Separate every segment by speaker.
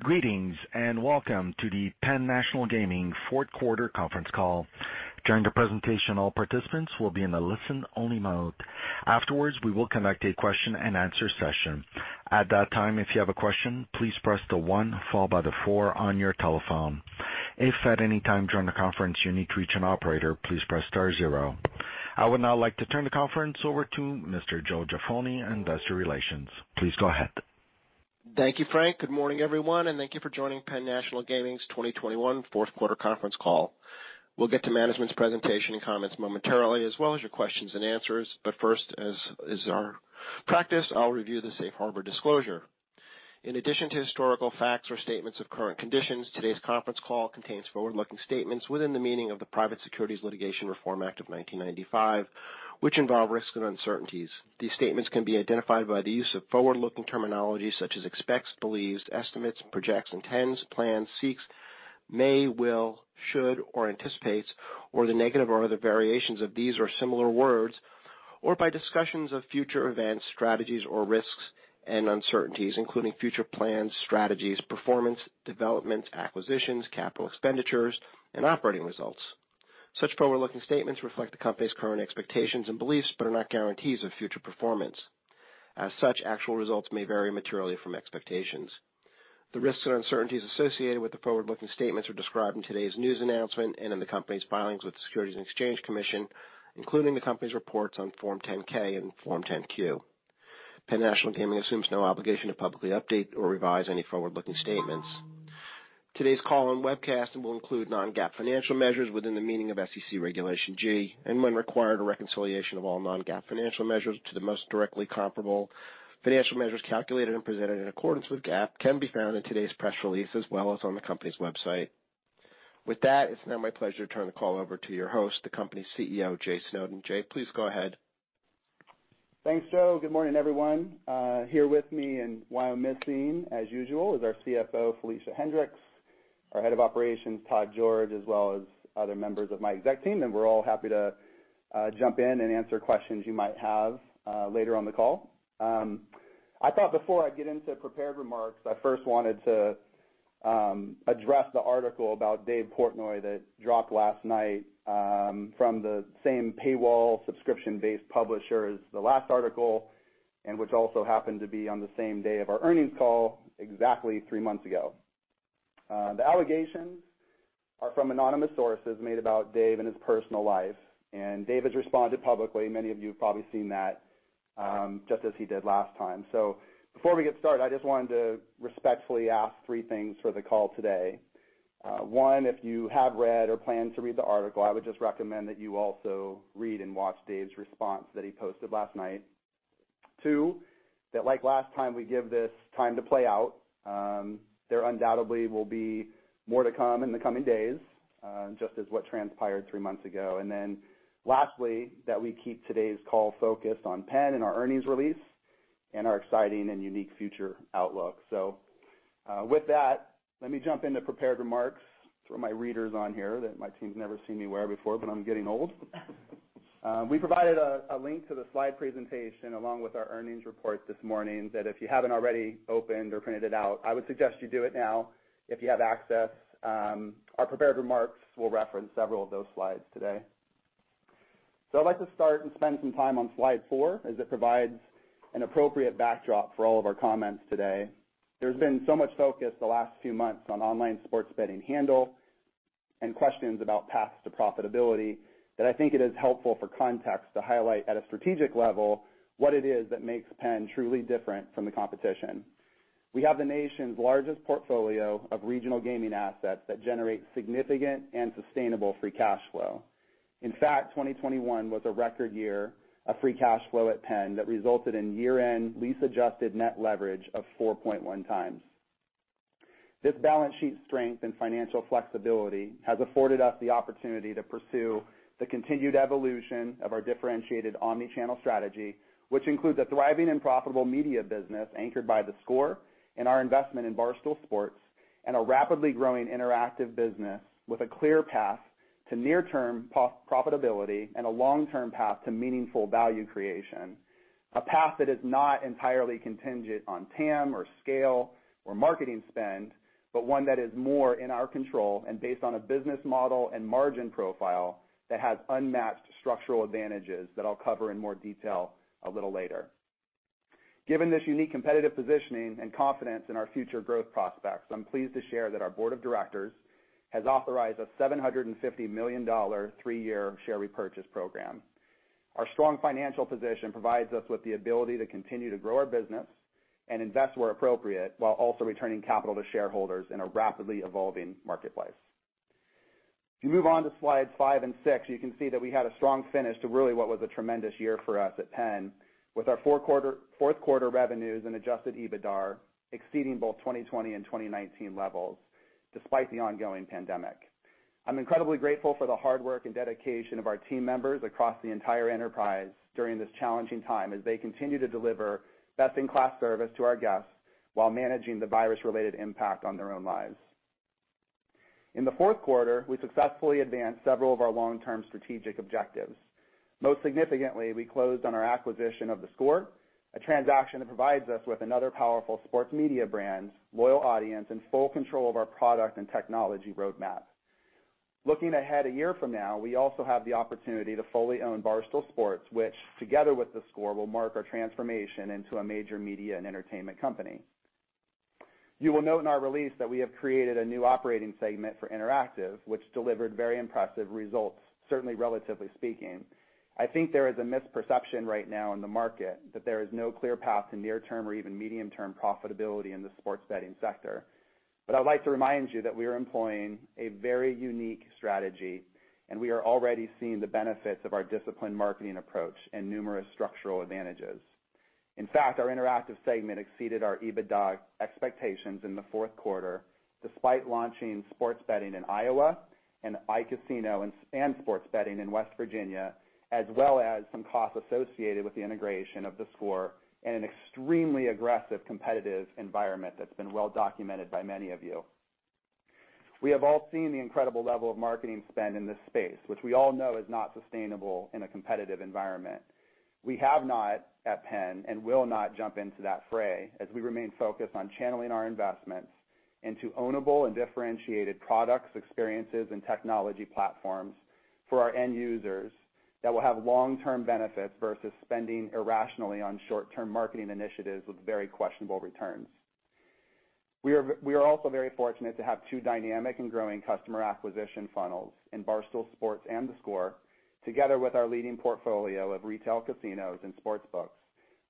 Speaker 1: Greetings, and welcome to the Penn National Gaming fourth quarter conference call. During the presentation, all participants will be in a listen-only mode. Afterwards, we will conduct a question-and-answer session. At that time, if you have a question, please press the one followed by the four on your telephone. If at any time during the conference you need to reach an operator, please press star zero. I would now like to turn the conference over to Mr. Joseph N. Jaffoni, Investor Relations. Please go ahead.
Speaker 2: Thank you, Frank. Good morning, everyone, and thank you for joining Penn National Gaming's 2021 fourth quarter conference call. We'll get to management's presentation and comments momentarily, as well as your questions and answers. First, as our practice, I'll review the safe harbor disclosure. In addition to historical facts or statements of current conditions, today's conference call contains forward-looking statements within the meaning of the Private Securities Litigation Reform Act of 1995, which involve risks and uncertainties. These statements can be identified by the use of forward-looking terminology such as expects, believes, estimates, projects, intends, plans, seeks, may, will, should, or anticipates, or the negative or other variations of these or similar words, or by discussions of future events, strategies, or risks and uncertainties, including future plans, strategies, performance, developments, acquisitions, capital expenditures, and operating results. Such forward-looking statements reflect the company's current expectations and beliefs, but are not guarantees of future performance. As such, actual results may vary materially from expectations. The risks and uncertainties associated with the forward-looking statements are described in today's news announcement and in the company's filings with the Securities and Exchange Commission, including the company's reports on Form 10-K and Form 10-Q. Penn National Gaming assumes no obligation to publicly update or revise any forward-looking statements. Today's call and webcast will include non-GAAP financial measures within the meaning of SEC Regulation G, and when required, a reconciliation of all non-GAAP financial measures to the most directly comparable financial measures calculated and presented in accordance with GAAP can be found in today's press release as well as on the company's website. With that, it's now my pleasure to turn the call over to your host, the company's CEO, Jay Snowden. Jay, please go ahead.
Speaker 3: Thanks, Joe. Good morning, everyone. Here with me, and while missing as usual, is our CFO, Felicia Hendrix, our Head of Operations, Todd George, as well as other members of my exec team, and we're all happy to jump in and answer questions you might have later on the call. I thought before I get into prepared remarks, I first wanted to address the article about Dave Portnoy that dropped last night from the same paywall subscription-based publisher as the last article, and which also happened to be on the same day of our earnings call exactly three months ago. The allegations are from anonymous sources made about Dave and his personal life, and Dave has responded publicly. Many of you have probably seen that just as he did last time. Before we get started, I just wanted to respectfully ask three things for the call today. One, if you have read or plan to read the article, I would just recommend that you also read and watch Dave's response that he posted last night. Two, that like last time, we give this time to play out. There undoubtedly will be more to come in the coming days, just as what transpired three months ago. Then lastly, that we keep today's call focused on Penn and our earnings release and our exciting and unique future outlook. With that, let me jump into prepared remarks. Throw my readers on here that my team's never seen me wear before, but I'm getting old. We provided a link to the slide presentation along with our earnings report this morning that if you haven't already opened or printed it out, I would suggest you do it now if you have access. Our prepared remarks will reference several of those slides today. I'd like to start and spend some time on slide four, as it provides an appropriate backdrop for all of our comments today. There's been so much focus the last few months on online sports betting handle and questions about paths to profitability that I think it is helpful for context to highlight at a strategic level what it is that makes PENN truly different from the competition. We have the nation's largest portfolio of regional gaming assets that generate significant and sustainable free cash flow. In fact, 2021 was a record year of free cash flow at Penn that resulted in year-end lease-adjusted net leverage of 4.1 times. This balance sheet strength and financial flexibility has afforded us the opportunity to pursue the continued evolution of our differentiated omni-channel strategy, which includes a thriving and profitable media business anchored by theScore and our investment in Barstool Sports and a rapidly growing interactive business with a clear path to near-term profitability and a long-term path to meaningful value creation. A path that is not entirely contingent on TAM or scale or marketing spend, but one that is more in our control and based on a business model and margin profile that has unmatched structural advantages that I'll cover in more detail a little later. Given this unique competitive positioning and confidence in our future growth prospects, I'm pleased to share that our board of directors has authorized a $750 million three-year share repurchase program. Our strong financial position provides us with the ability to continue to grow our business and invest where appropriate, while also returning capital to shareholders in a rapidly evolving marketplace. If you move on to slides five and six, you can see that we had a strong finish to really what was a tremendous year for us at Penn with our fourth quarter revenues and adjusted EBITDAR exceeding both 2020 and 2019 levels, despite the ongoing pandemic. I'm incredibly grateful for the hard work and dedication of our team members across the entire enterprise during this challenging time as they continue to deliver best-in-class service to our guests while managing the virus-related impact on their own lives. In the fourth quarter, we successfully advanced several of our long-term strategic objectives. Most significantly, we closed on our acquisition of theScore, a transaction that provides us with another powerful sports media brand, loyal audience, and full control of our product and technology roadmap. Looking ahead a year from now, we also have the opportunity to fully own Barstool Sports, which together with theScore, will mark our transformation into a major media and entertainment company. You will note in our release that we have created a new operating segment for Interactive, which delivered very impressive results, certainly relatively speaking. I think there is a misperception right now in the market that there is no clear path to near-term or even medium-term profitability in the sports betting sector. I'd like to remind you that we are employing a very unique strategy, and we are already seeing the benefits of our disciplined marketing approach and numerous structural advantages. In fact, our Interactive segment exceeded our EBITDA expectations in the fourth quarter despite launching sports betting in Iowa and iCasino and sports betting in West Virginia, as well as some costs associated with the integration of theScore in an extremely aggressive competitive environment that's been well documented by many of you. We have all seen the incredible level of marketing spend in this space, which we all know is not sustainable in a competitive environment. We have not, at PENN, and will not jump into that fray as we remain focused on channeling our investments into ownable and differentiated products, experiences, and technology platforms for our end users that will have long-term benefits versus spending irrationally on short-term marketing initiatives with very questionable returns. We are also very fortunate to have two dynamic and growing customer acquisition funnels in Barstool Sports and theScore together with our leading portfolio of retail casinos and sportsbooks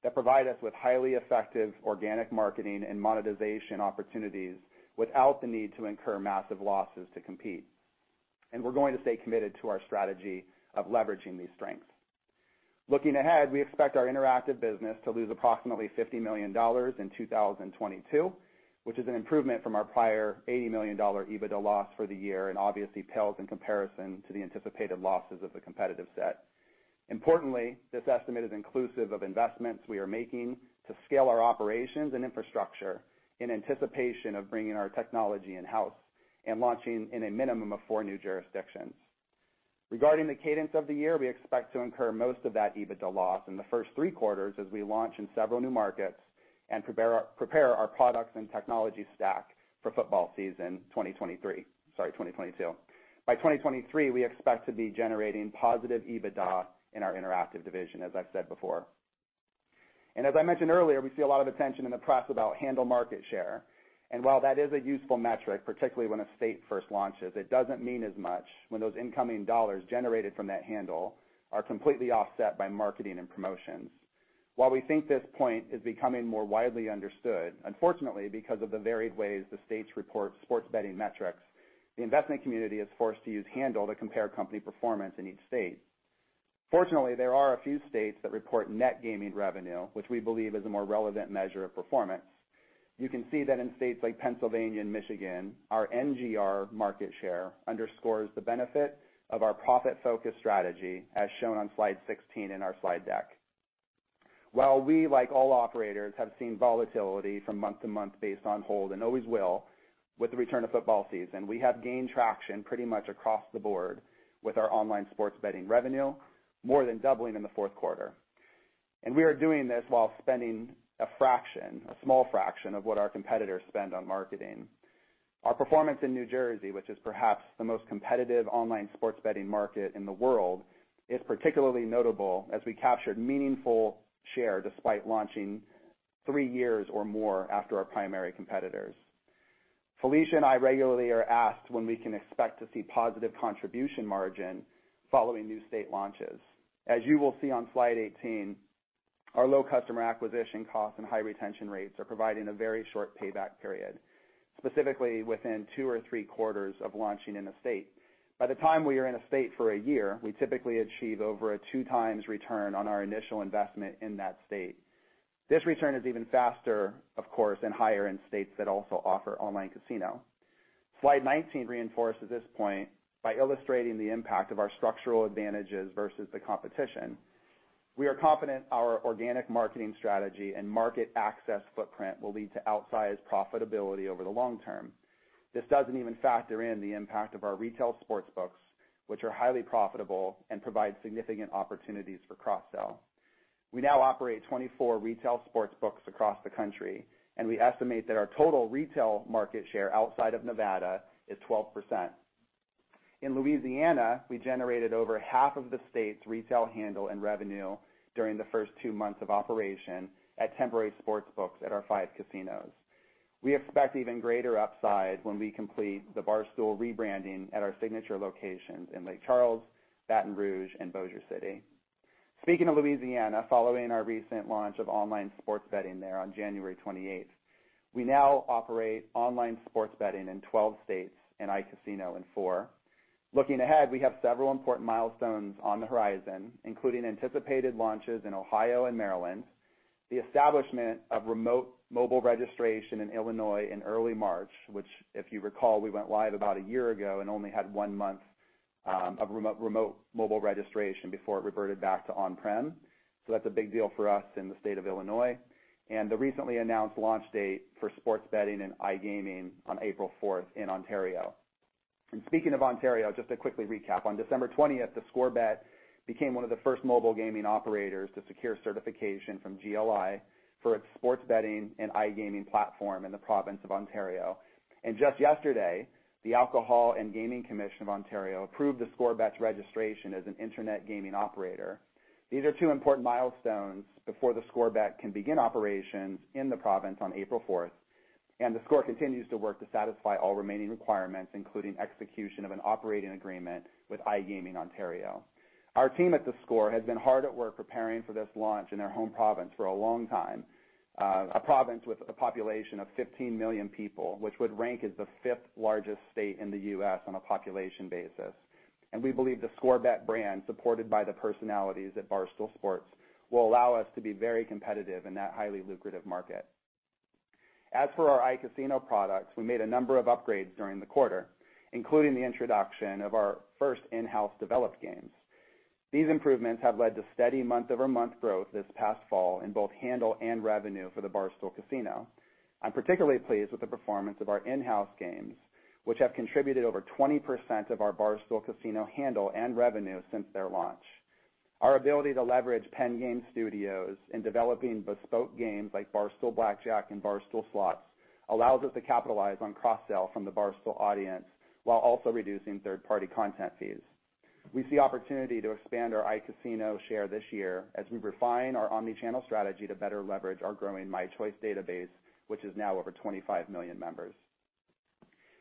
Speaker 3: that provide us with highly effective organic marketing and monetization opportunities without the need to incur massive losses to compete. We're going to stay committed to our strategy of leveraging these strengths. Looking ahead, we expect our Interactive business to lose approximately $50 million in 2022, which is an improvement from our prior $80 million EBITDA loss for the year and obviously pales in comparison to the anticipated losses of the competitive set. Importantly, this estimate is inclusive of investments we are making to scale our operations and infrastructure in anticipation of bringing our technology in-house and launching in a minimum of four new jurisdictions. Regarding the cadence of the year, we expect to incur most of that EBITDA loss in the first three quarters as we launch in several new markets and prepare our products and technology stack for football season 2023, sorry, 2022. By 2023, we expect to be generating positive EBITDA in our Interactive division, as I've said before. As I mentioned earlier, we see a lot of attention in the press about handle market share. While that is a useful metric, particularly when a state first launches, it doesn't mean as much when those incoming dollars generated from that handle are completely offset by marketing and promotions. While we think this point is becoming more widely understood, unfortunately, because of the varied ways the states report sports betting metrics, the investment community is forced to use handle to compare company performance in each state. Fortunately, there are a few states that report net gaming revenue, which we believe is a more relevant measure of performance. You can see that in states like Pennsylvania and Michigan, our NGR market share underscores the benefit of our profit-focused strategy, as shown on slide 16 in our slide deck. While we, like all operators, have seen volatility from month to month based on hold and always will, with the return of football season, we have gained traction pretty much across the board with our online sports betting revenue, more than doubling in the fourth quarter. We are doing this while spending a fraction, a small fraction of what our competitors spend on marketing. Our performance in New Jersey, which is perhaps the most competitive online sports betting market in the world, is particularly notable as we captured meaningful share despite launching three years or more after our primary competitors. Felicia and I regularly are asked when we can expect to see positive contribution margin following new state launches. As you will see on Slide 18, our low customer acquisition costs and high retention rates are providing a very short payback period, specifically within two or three quarters of launching in a state. By the time we are in a state for a year, we typically achieve over a 2x return on our initial investment in that state. This return is even faster, of course, and higher in states that also offer online casino. Slide 19 reinforces this point by illustrating the impact of our structural advantages versus the competition. We are confident our organic marketing strategy and market access footprint will lead to outsized profitability over the long term. This doesn't even factor in the impact of our retail sports books, which are highly profitable and provide significant opportunities for cross-sell. We now operate 24 retail sports books across the country, and we estimate that our total retail market share outside of Nevada is 12%. In Louisiana, we generated over half of the state's retail handle and revenue during the first two months of operation at temporary sports books at our five casinos. We expect even greater upside when we complete the Barstool rebranding at our signature locations in Lake Charles, Baton Rouge, and Bossier City. Speaking of Louisiana, following our recent launch of online sports betting there on January 28th, we now operate online sports betting in 12 states and iCasino in four. Looking ahead, we have several important milestones on the horizon, including anticipated launches in Ohio and Maryland, the establishment of remote mobile registration in Illinois in early March, which, if you recall, we went live about a year ago and only had one month of remote mobile registration before it reverted back to on-prem. That's a big deal for us in the state of Illinois. The recently announced launch date for sports betting and iGaming on April fourth in Ontario. Speaking of Ontario, just to quickly recap, on December twentieth, theScore Bet became one of the first mobile gaming operators to secure certification from GLI for its sports betting and iGaming platform in the province of Ontario. Just yesterday, the Alcohol and Gaming Commission of Ontario approved theScore Bet's registration as an internet gaming operator. These are two important milestones before theScore Bet can begin operations in the province on April 4, and theScore continues to work to satisfy all remaining requirements, including execution of an operating agreement with iGaming Ontario. Our team at theScore has been hard at work preparing for this launch in their home province for a long time, a province with a population of 15 million people, which would rank as the fifth largest state in the U.S. on a population basis. We believe theScore Bet brand, supported by the personalities at Barstool Sports, will allow us to be very competitive in that highly lucrative market. As for our iCasino products, we made a number of upgrades during the quarter, including the introduction of our first in-house developed games. These improvements have led to steady month-over-month growth this past fall in both handle and revenue for the Barstool Casino. I'm particularly pleased with the performance of our in-house games, which have contributed over 20% of our Barstool Casino handle and revenue since their launch. Our ability to leverage Penn Game Studios in developing bespoke games like Barstool Blackjack and Barstool Slots allows us to capitalize on cross-sell from the Barstool audience while also reducing third-party content fees. We see opportunity to expand our iCasino share this year as we refine our omni-channel strategy to better leverage our growing mychoice database, which is now over 25 million members.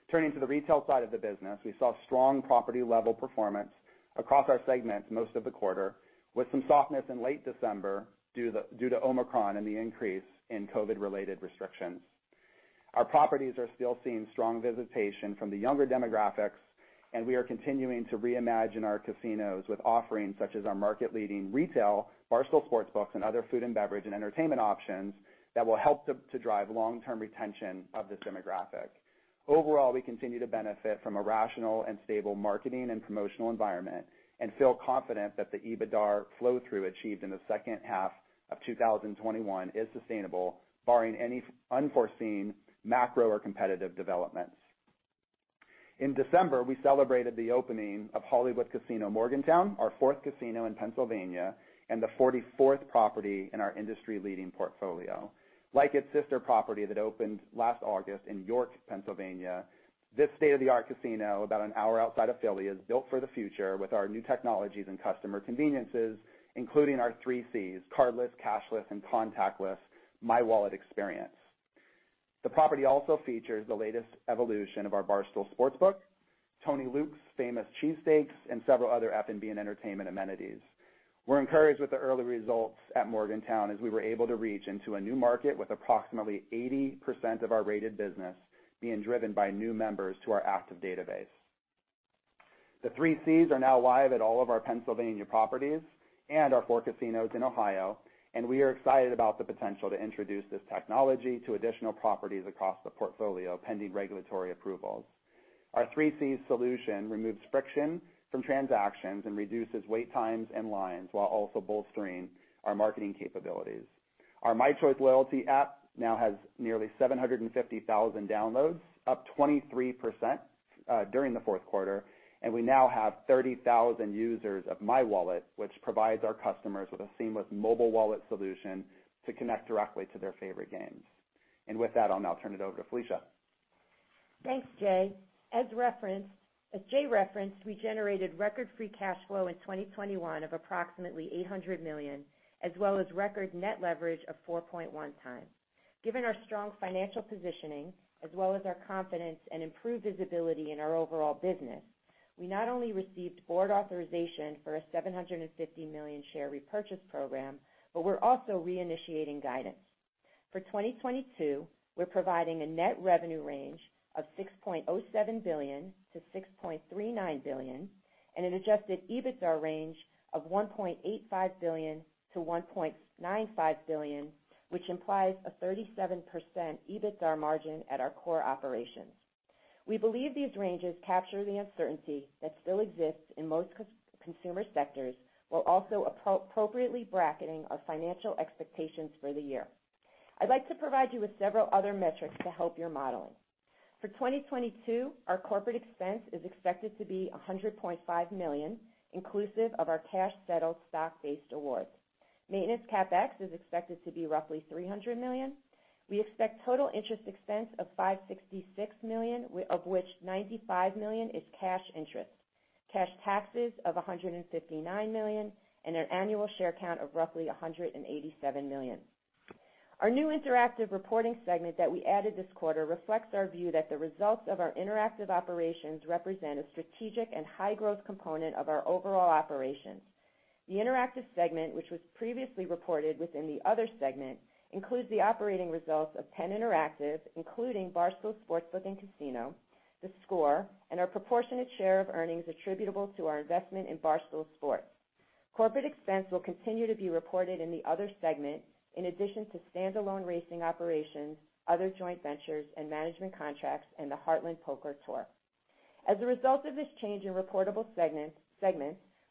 Speaker 3: Turning to the retail side of the business, we saw strong property-level performance across our segments most of the quarter, with some softness in late December due to Omicron and the increase in COVID-related restrictions. Our properties are still seeing strong visitation from the younger demographics, and we are continuing to reimagine our casinos with offerings such as our market-leading retail, Barstool Sportsbooks, and other food and beverage and entertainment options that will help to drive long-term retention of this demographic. Overall, we continue to benefit from a rational and stable marketing and promotional environment and feel confident that the EBITDAR flow-through achieved in the second half of 2021 is sustainable, barring any unforeseen macro or competitive developments. In December, we celebrated the opening of Hollywood Casino Morgantown, our fourth casino in Pennsylvania and the forty-fourth property in our industry-leading portfolio. Like its sister property that opened last August in York, Pennsylvania, this state-of-the-art casino, about an hour outside of Philly, is built for the future with our new technologies and customer conveniences, including our 3Cs, cardless, cashless and contactless, PENN Wallet experience. The property also features the latest evolution of our Barstool Sportsbook, Tony Luke's famous cheesesteaks, and several other F&B and entertainment amenities. We're encouraged with the early results at Morgantown as we were able to reach into a new market with approximately 80% of our rated business being driven by new members to our active database. The 3Cs are now live at all of our Pennsylvania properties and our 4 casinos in Ohio, and we are excited about the potential to introduce this technology to additional properties across the portfolio, pending regulatory approvals. Our 3Cs solution removes friction from transactions and reduces wait times and lines while also bolstering our marketing capabilities. Our mychoice loyalty app now has nearly 750,000 downloads, up 23% during the fourth quarter, and we now have 30,000 users of mywallet, which provides our customers with a seamless mobile wallet solution to connect directly to their favorite games. With that, I'll now turn it over to Felicia Hendrix.
Speaker 4: Thanks, Jay. As Jay referenced, we generated record free cash flow in 2021 of approximately $800 million, as well as record net leverage of 4.1x. Given our strong financial positioning as well as our confidence and improved visibility in our overall business, we not only received board authorization for a 750 million share repurchase program, but we're also reinitiating guidance. For 2022, we're providing a net revenue range of 6.07 billion-6.39 billion and an adjusted EBITDAR range of 1.85 billion-1.95 billion, which implies a 37% EBITDAR margin at our core operations. We believe these ranges capture the uncertainty that still exists in most consumer sectors while also appropriately bracketing our financial expectations for the year. I'd like to provide you with several other metrics to help your modeling. For 2022, our corporate expense is expected to be 100.5 million, inclusive of our cash settled stock-based awards. Maintenance CapEx is expected to be roughly 300 million. We expect total interest expense of 566 million, of which 95 million is cash interest, cash taxes of 159 million, and an annual share count of roughly 187 million. Our new interactive reporting segment that we added this quarter reflects our view that the results of our interactive operations represent a strategic and high-growth component of our overall operations. The Interactive segment, which was previously reported within the Other segment, includes the operating results of Penn Interactive, including Barstool Sportsbook and Casino, theScore, and our proportionate share of earnings attributable to our investment in Barstool Sports. Corporate expense will continue to be reported in the Other segment, in addition to standalone racing operations, other joint ventures and management contracts, and the Heartland Poker Tour. As a result of this change in reportable segments,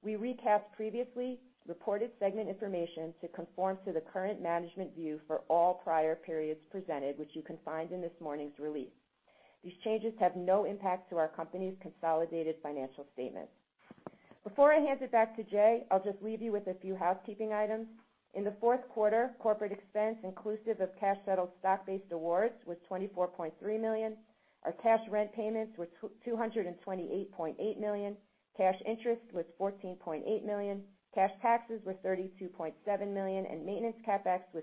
Speaker 4: we recapped previously reported segment information to conform to the current management view for all prior periods presented, which you can find in this morning's release. These changes have no impact to our company's consolidated financial statements. Before I hand it back to Jay, I'll just leave you with a few housekeeping items. In the fourth quarter, corporate expense, inclusive of cash settled stock-based awards, was 24.3 million. Our cash rent payments were 228.8 million. Cash interest was 14.8 million. Cash taxes were 32.7 million, and maintenance CapEx was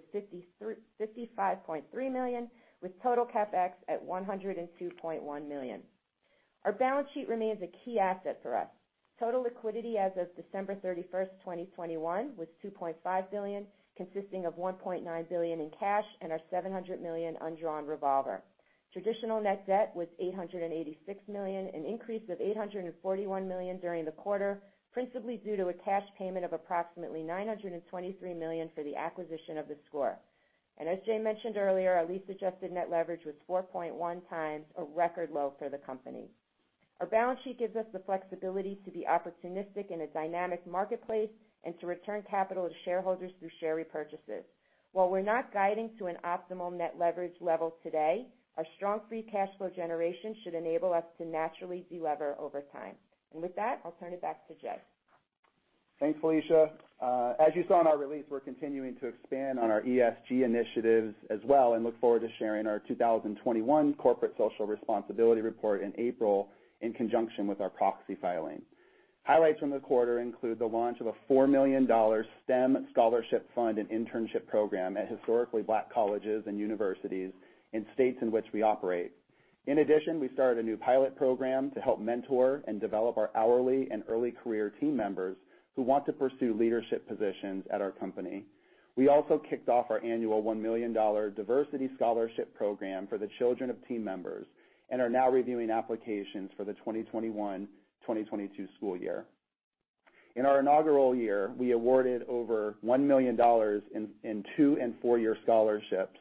Speaker 4: fifty-five point three million, with total CapEx at 102.1 million. Our balance sheet remains a key asset for us. Total liquidity as of December 31, 2021 was 2.5 billion, consisting of 1.9 billion in cash and our 700 million undrawn revolver. Traditional net debt was 886 million, an increase of 841 million during the quarter, principally due to a cash payment of approximately 923 million for the acquisition of theScore. As Jay mentioned earlier, our lease-adjusted net leverage was 4.1 times, a record low for the company. Our balance sheet gives us the flexibility to be opportunistic in a dynamic marketplace and to return capital to shareholders through share repurchases. While we're not guiding to an optimal net leverage level today, our strong free cash flow generation should enable us to naturally de-lever over time. With that, I'll turn it back to Jay.
Speaker 3: Thanks, Felicia. As you saw in our release, we're continuing to expand on our ESG initiatives as well and look forward to sharing our 2021 corporate social responsibility report in April in conjunction with our proxy filing. Highlights from the quarter include the launch of a $4 million STEM scholarship fund and internship program at historically black colleges and universities in states in which we operate. In addition, we started a new pilot program to help mentor and develop our hourly and early career team members who want to pursue leadership positions at our company. We also kicked off our annual $1 million diversity scholarship program for the children of team members and are now reviewing applications for the 2021-2022 school year. In our inaugural year, we awarded over $1 million in two- and four-year scholarships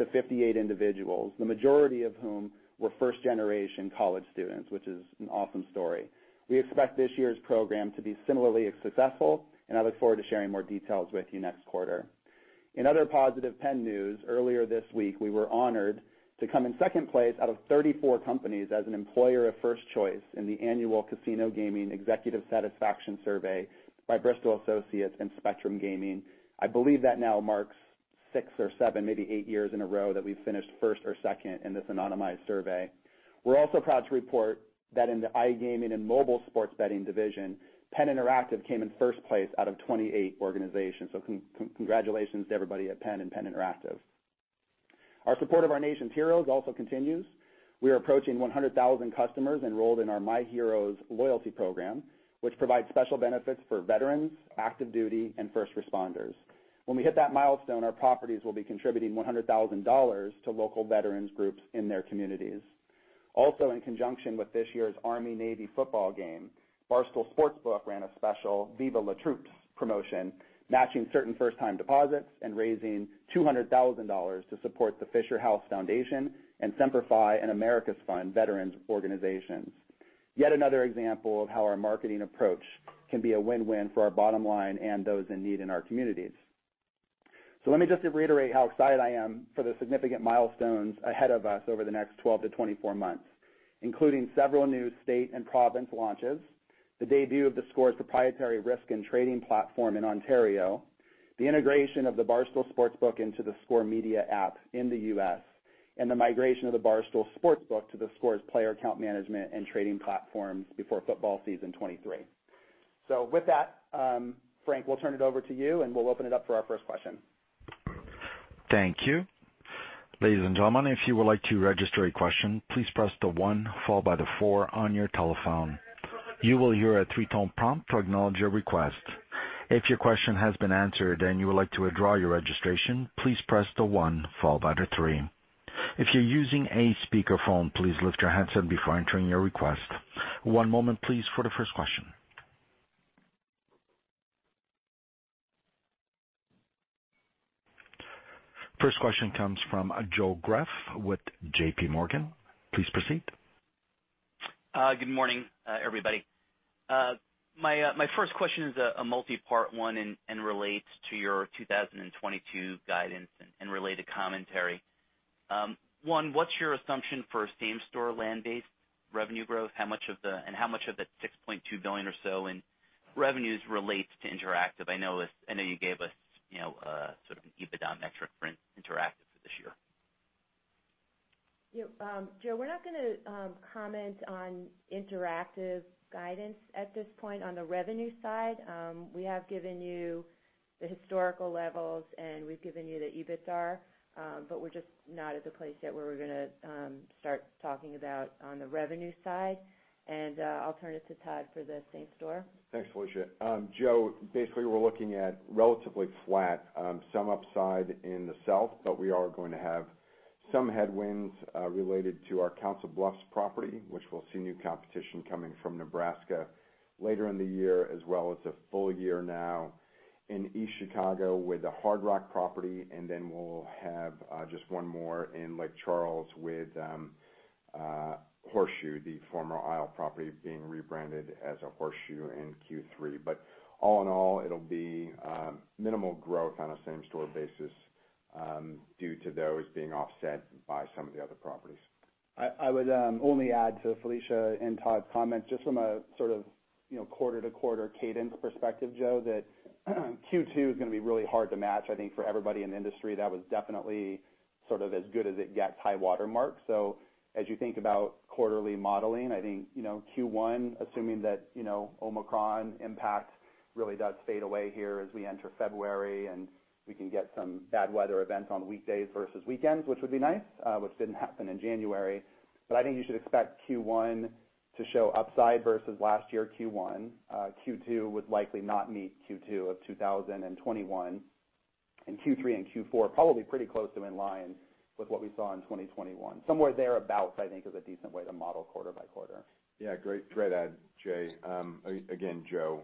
Speaker 3: to 58 individuals, the majority of whom were first-generation college students, which is an awesome story. We expect this year's program to be similarly successful, and I look forward to sharing more details with you next quarter. In other positive PENN news, earlier this week, we were honored to come in second place out of 34 companies as an employer of first choice in the annual Casino Gaming Executive Satisfaction Survey by Bristol Associates and Spectrum Gaming. I believe that now marks six or seven, maybe eight years in a row that we've finished first or second in this anonymized survey. We're also proud to report that in the iGaming and mobile sports betting division, Penn Interactive came in first place out of 28 organizations. Congratulations to everybody at PENN and Penn Interactive. Our support of our nation's heroes also continues. We are approaching 100,000 customers enrolled in our myheroes loyalty program, which provides special benefits for veterans, active-duty, and first responders. When we hit that milestone, our properties will be contributing $100,000 to local veterans groups in their communities. In conjunction with this year's Army-Navy football game, Barstool Sportsbook ran a special Viva La Stool promotion, matching certain first-time deposits and raising $200,000 to support the Fisher House Foundation and Semper Fi & America's Fund veterans organizations. Yet another example of how our marketing approach can be a win-win for our bottom line and those in need in our communities. Let me just reiterate how excited I am for the significant milestones ahead of us over the next 12-24 months, including several new state and province launches, the debut of theScore's proprietary risk and trading platform in Ontario, the integration of the Barstool Sportsbook into theScore Media app in the U.S., and the migration of the Barstool Sportsbook to theScore's player account management and trading platforms before football season 2023. With that, Frank, we'll turn it over to you, and we'll open it up for our first question.
Speaker 1: Thank you. Ladies and gentlemen, if you would like to register a question, please press the one followed by the four on your telephone. You will hear a three-tone prompt to acknowledge your request. If your question has been answered and you would like to withdraw your registration, please press the one followed by the three. If you're using a speakerphone, please lift your handset before entering your request. One moment please for the first question. First question comes from Joseph Greff with J.P. Morgan. Please proceed.
Speaker 5: Good morning, everybody. My first question is a multipart one and relates to your 2022 guidance and related commentary. One, what's your assumption for same-store land-based revenue growth? How much of the $6.2 billion or so in revenues relates to interactive? I know you gave us, you know, sort of an EBITDA metric for interactive for this year.
Speaker 4: Yeah, Joe, we're not gonna comment on interactive guidance at this point on the revenue side. We have given you the historical levels, and we've given you the EBITDAR, but we're just not at the place yet where we're gonna start talking about on the revenue side. I'll turn it to Todd for the same store.
Speaker 6: Thanks, Felicia. Joe, basically, we're looking at relatively flat, some upside in the South, but we are going to have Some headwinds related to our Council Bluffs property, which will see new competition coming from Nebraska later in the year, as well as a full year now in East Chicago with the Hard Rock property. Then we'll have just one more in Lake Charles with Horseshoe, the former Isle property being rebranded as a Horseshoe in Q3. All in all, it'll be minimal growth on a same-store basis due to those being offset by some of the other properties.
Speaker 3: I would only add to Felicia and Todd's comments, just from a sort of, you know, quarter-to-quarter cadence perspective, Joe, that Q2 is gonna be really hard to match, I think, for everybody in the industry. That was definitely sort of as good as it gets high watermark. As you think about quarterly modeling, I think, you know, Q1, assuming that, you know, Omicron impact really does fade away here as we enter February, and we can get some bad weather events on weekdays versus weekends, which would be nice, which didn't happen in January. I think you should expect Q1 to show upside versus last year Q1. Q2 would likely not meet Q2 of 2021. Q3 and Q4, probably pretty close to in line with what we saw in 2021. Somewhere thereabout, I think, is a decent way to model quarter by quarter.
Speaker 6: Yeah, great add, Jay. Again, Joe,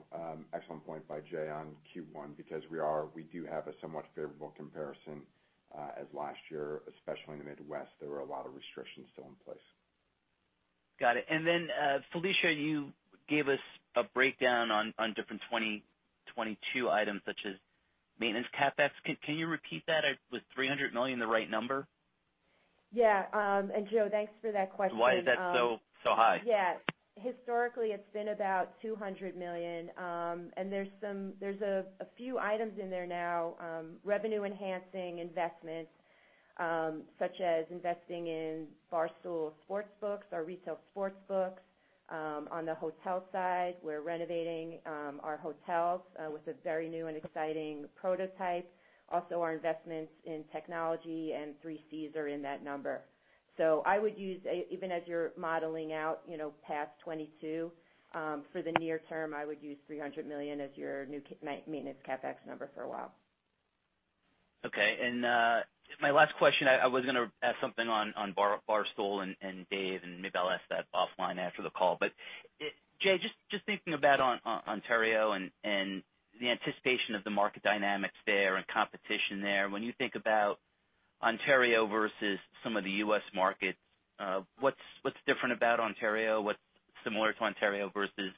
Speaker 6: excellent point by Jay on Q1 because we do have a somewhat favorable comparison, as last year, especially in the Midwest, there were a lot of restrictions still in place.
Speaker 5: Got it. Then, Felicia, you gave us a breakdown on different 2022 items such as maintenance CapEx. Can you repeat that? Was 300 million the right number?
Speaker 4: Yeah. Joe, thanks for that question.
Speaker 5: Why is that so high?
Speaker 4: Yeah. Historically, it's been about 200 million. There's a few items in there now, revenue-enhancing investments, such as investing in Barstool Sportsbooks, our retail sportsbooks. On the hotel side, we're renovating our hotels with a very new and exciting prototype. Also, our investments in technology and 3Cs are in that number. I would use, even as you're modeling out, you know, past 2022, for the near term, 300 million as your new maintenance CapEx number for a while.
Speaker 5: Okay. My last question, I was gonna ask something on Barstool and Dave, and maybe I'll ask that offline after the call. Jay, just thinking about Ontario and the anticipation of the market dynamics there and competition there. When you think about Ontario versus some of the U.S. markets, what's different about Ontario? What's similar to Ontario versus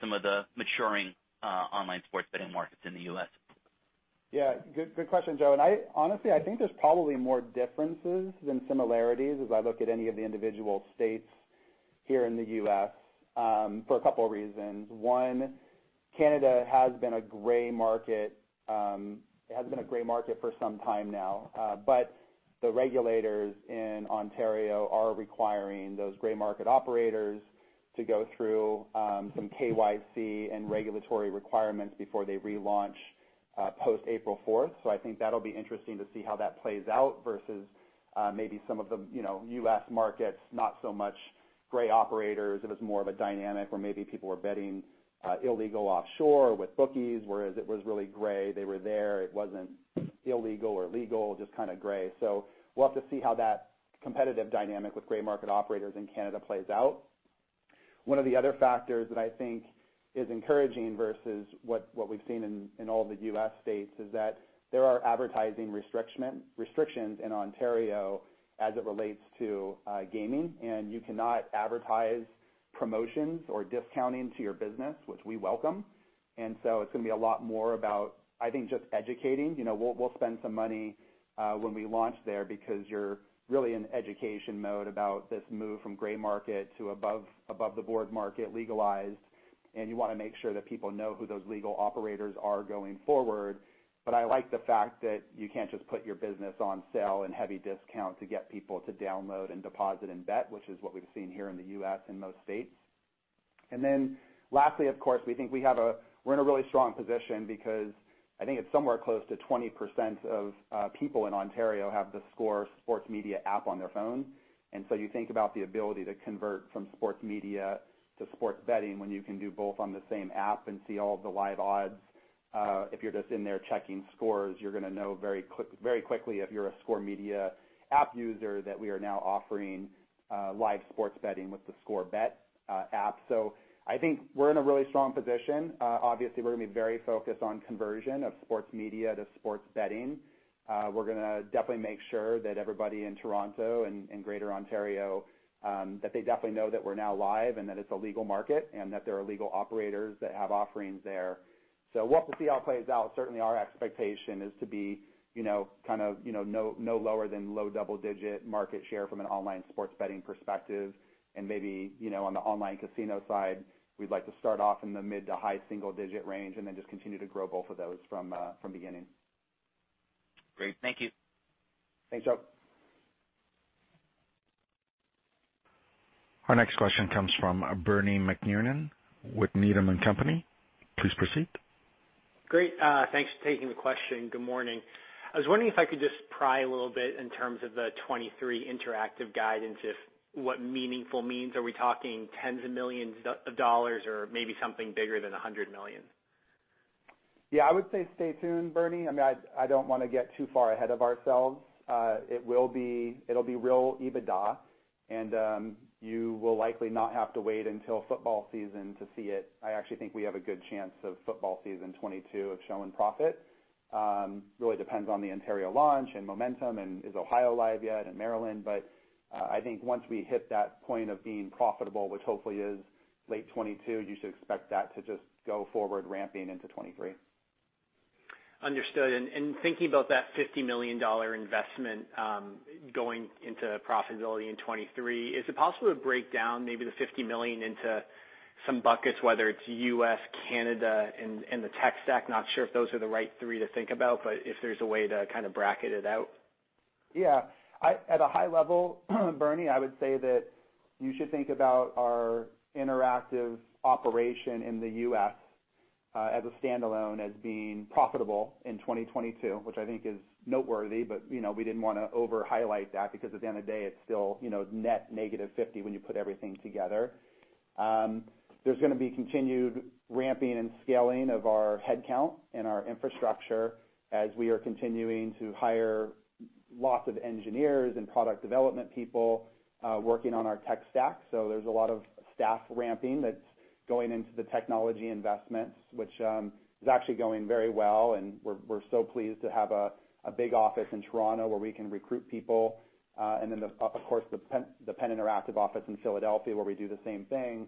Speaker 5: some of the maturing online sports betting markets in the U.S.?
Speaker 3: Good question, Joe. I honestly think there's probably more differences than similarities as I look at any of the individual states here in the U.S. for a couple reasons. One, Canada has been a gray market for some time now. But the regulators in Ontario are requiring those gray market operators to go through some KYC and regulatory requirements before they relaunch post-April 4. I think that'll be interesting to see how that plays out versus maybe some of the, you know, U.S. markets, not so much gray operators. It was more of a dynamic where maybe people were betting illegal offshore with bookies, whereas it was really gray. They were there. It wasn't illegal or legal, just kinda gray. We'll have to see how that competitive dynamic with gray market operators in Canada plays out. One of the other factors that I think is encouraging versus what we've seen in all the U.S. states is that there are advertising restrictions in Ontario as it relates to gaming. You cannot advertise promotions or discounting to your business, which we welcome. It's gonna be a lot more about, I think, just educating. You know, we'll spend some money when we launch there because you're really in education mode about this move from gray market to above the board market legalized, and you wanna make sure that people know who those legal operators are going forward. I like the fact that you can't just put your business on sale and heavy discount to get people to download and deposit and bet, which is what we've seen here in the U.S. in most states. Lastly, of course, we think we have a. We're in a really strong position because I think it's somewhere close to 20% of people in Ontario have the theScore sports media app on their phone. You think about the ability to convert from sports media to sports betting when you can do both on the same app and see all the live odds. If you're just in there checking scores, you're gonna know very quickly if you're a theScore media app user that we are now offering live sports betting with the theScore Bet app. I think we're in a really strong position. Obviously, we're gonna be very focused on conversion of sports media to sports betting. We're gonna definitely make sure that everybody in Toronto and greater Ontario that they definitely know that we're now live and that it's a legal market, and that there are legal operators that have offerings there. We'll have to see how it plays out. Certainly, our expectation is to be, you know, kind of, you know, no lower than low double-digit market share from an online sports betting perspective. Maybe, you know, on the online casino side, we'd like to start off in the mid to high single digit range, and then just continue to grow both of those from beginning.
Speaker 5: Great. Thank you.
Speaker 3: Thanks, Joe.
Speaker 1: Our next question comes from Bernie McTernan with Needham & Company. Please proceed.
Speaker 7: Great. Thanks for taking the question. Good morning. I was wondering if I could just pry a little bit in terms of the 2023 interactive guidance as to what meaningful means. Are we talking tens of millions of dollars or maybe something bigger than 100 million?
Speaker 3: Yeah, I would say stay tuned, Bernie. I mean, I don't wanna get too far ahead of ourselves. It'll be real EBITDA, and you will likely not have to wait until football season to see it. I actually think we have a good chance of football season 2022 showing profit. Really depends on the Ontario launch and momentum and is Ohio live yet and Maryland. I think once we hit that point of being profitable, which hopefully is late 2022, you should expect that to just go forward ramping into 2023.
Speaker 7: Understood. Thinking about that $50 million investment, going into profitability in 2023, is it possible to break down maybe the 50 million into some buckets, whether it's U.S., Canada, and the tech stack? Not sure if those are the right three to think about, but if there's a way to kind of bracket it out.
Speaker 3: Yeah. At a high level, Bernie, I would say that you should think about our interactive operation in the U.S. as a standalone as being profitable in 2022, which I think is noteworthy, but, you know, we didn't wanna over-highlight that because at the end of the day, it's still, you know, net negative 50 when you put everything together. There's gonna be continued ramping and scaling of our headcount and our infrastructure as we are continuing to hire lots of engineers and product development people working on our tech stack. So there's a lot of staff ramping that's going into the technology investments, which is actually going very well, and we're so pleased to have a big office in Toronto where we can recruit people. Of course, the Penn Interactive office in Philadelphia, where we do the same thing.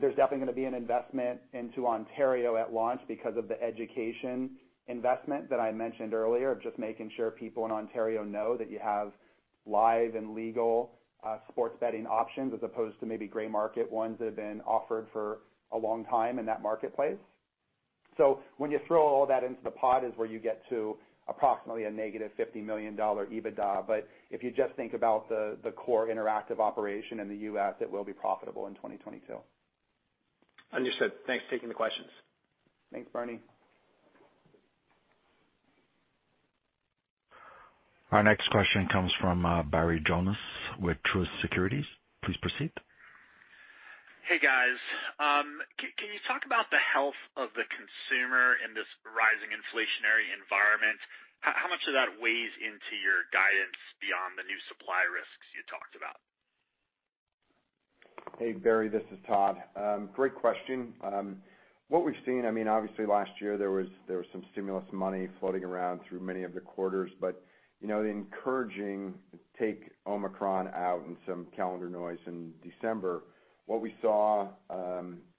Speaker 3: There's definitely gonna be an investment into Ontario at launch because of the education investment that I mentioned earlier of just making sure people in Ontario know that you have live and legal sports betting options as opposed to maybe gray market ones that have been offered for a long time in that marketplace. When you throw all that into the pot is where you get to approximately a negative $50 million EBITDA. If you just think about the core interactive operation in the U.S., it will be profitable in 2022.
Speaker 7: Understood. Thanks for taking the questions.
Speaker 3: Thanks, Bernie.
Speaker 1: Our next question comes from Barry Jonas with Truist Securities. Please proceed.
Speaker 8: Hey, guys. Can you talk about the health of the consumer in this rising inflationary environment? How much of that weighs into your guidance beyond the new supply risks you talked about?
Speaker 6: Hey, Barry, this is Todd. Great question. What we've seen, I mean, obviously last year, there was some stimulus money floating around through many of the quarters. You know, the encouraging, take Omicron out and some calendar noise in December, what we saw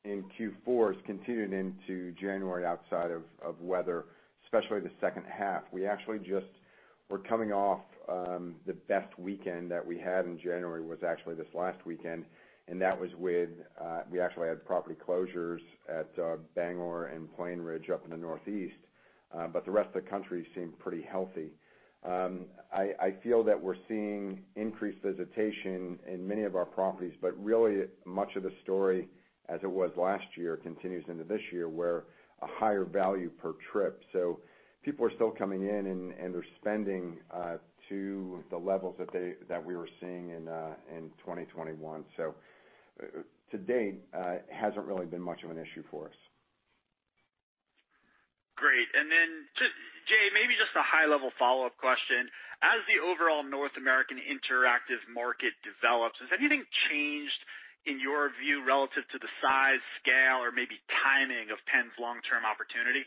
Speaker 6: in Q4 has continued into January outside of weather, especially the second half. We actually just were coming off the best weekend that we had in January was actually this last weekend, and that was with we actually had property closures at Bangor and Plainridge up in the Northeast, but the rest of the country seemed pretty healthy. I feel that we're seeing increased visitation in many of our properties, but really much of the story as it was last year continues into this year, where a higher value per trip. People are still coming in and they're spending to the levels that we were seeing in 2021. To date, it hasn't really been much of an issue for us.
Speaker 8: Great. Jay, maybe just a high-level follow-up question. As the overall North American interactive market develops, has anything changed in your view relative to the size, scale, or maybe timing of Penn's long-term opportunity?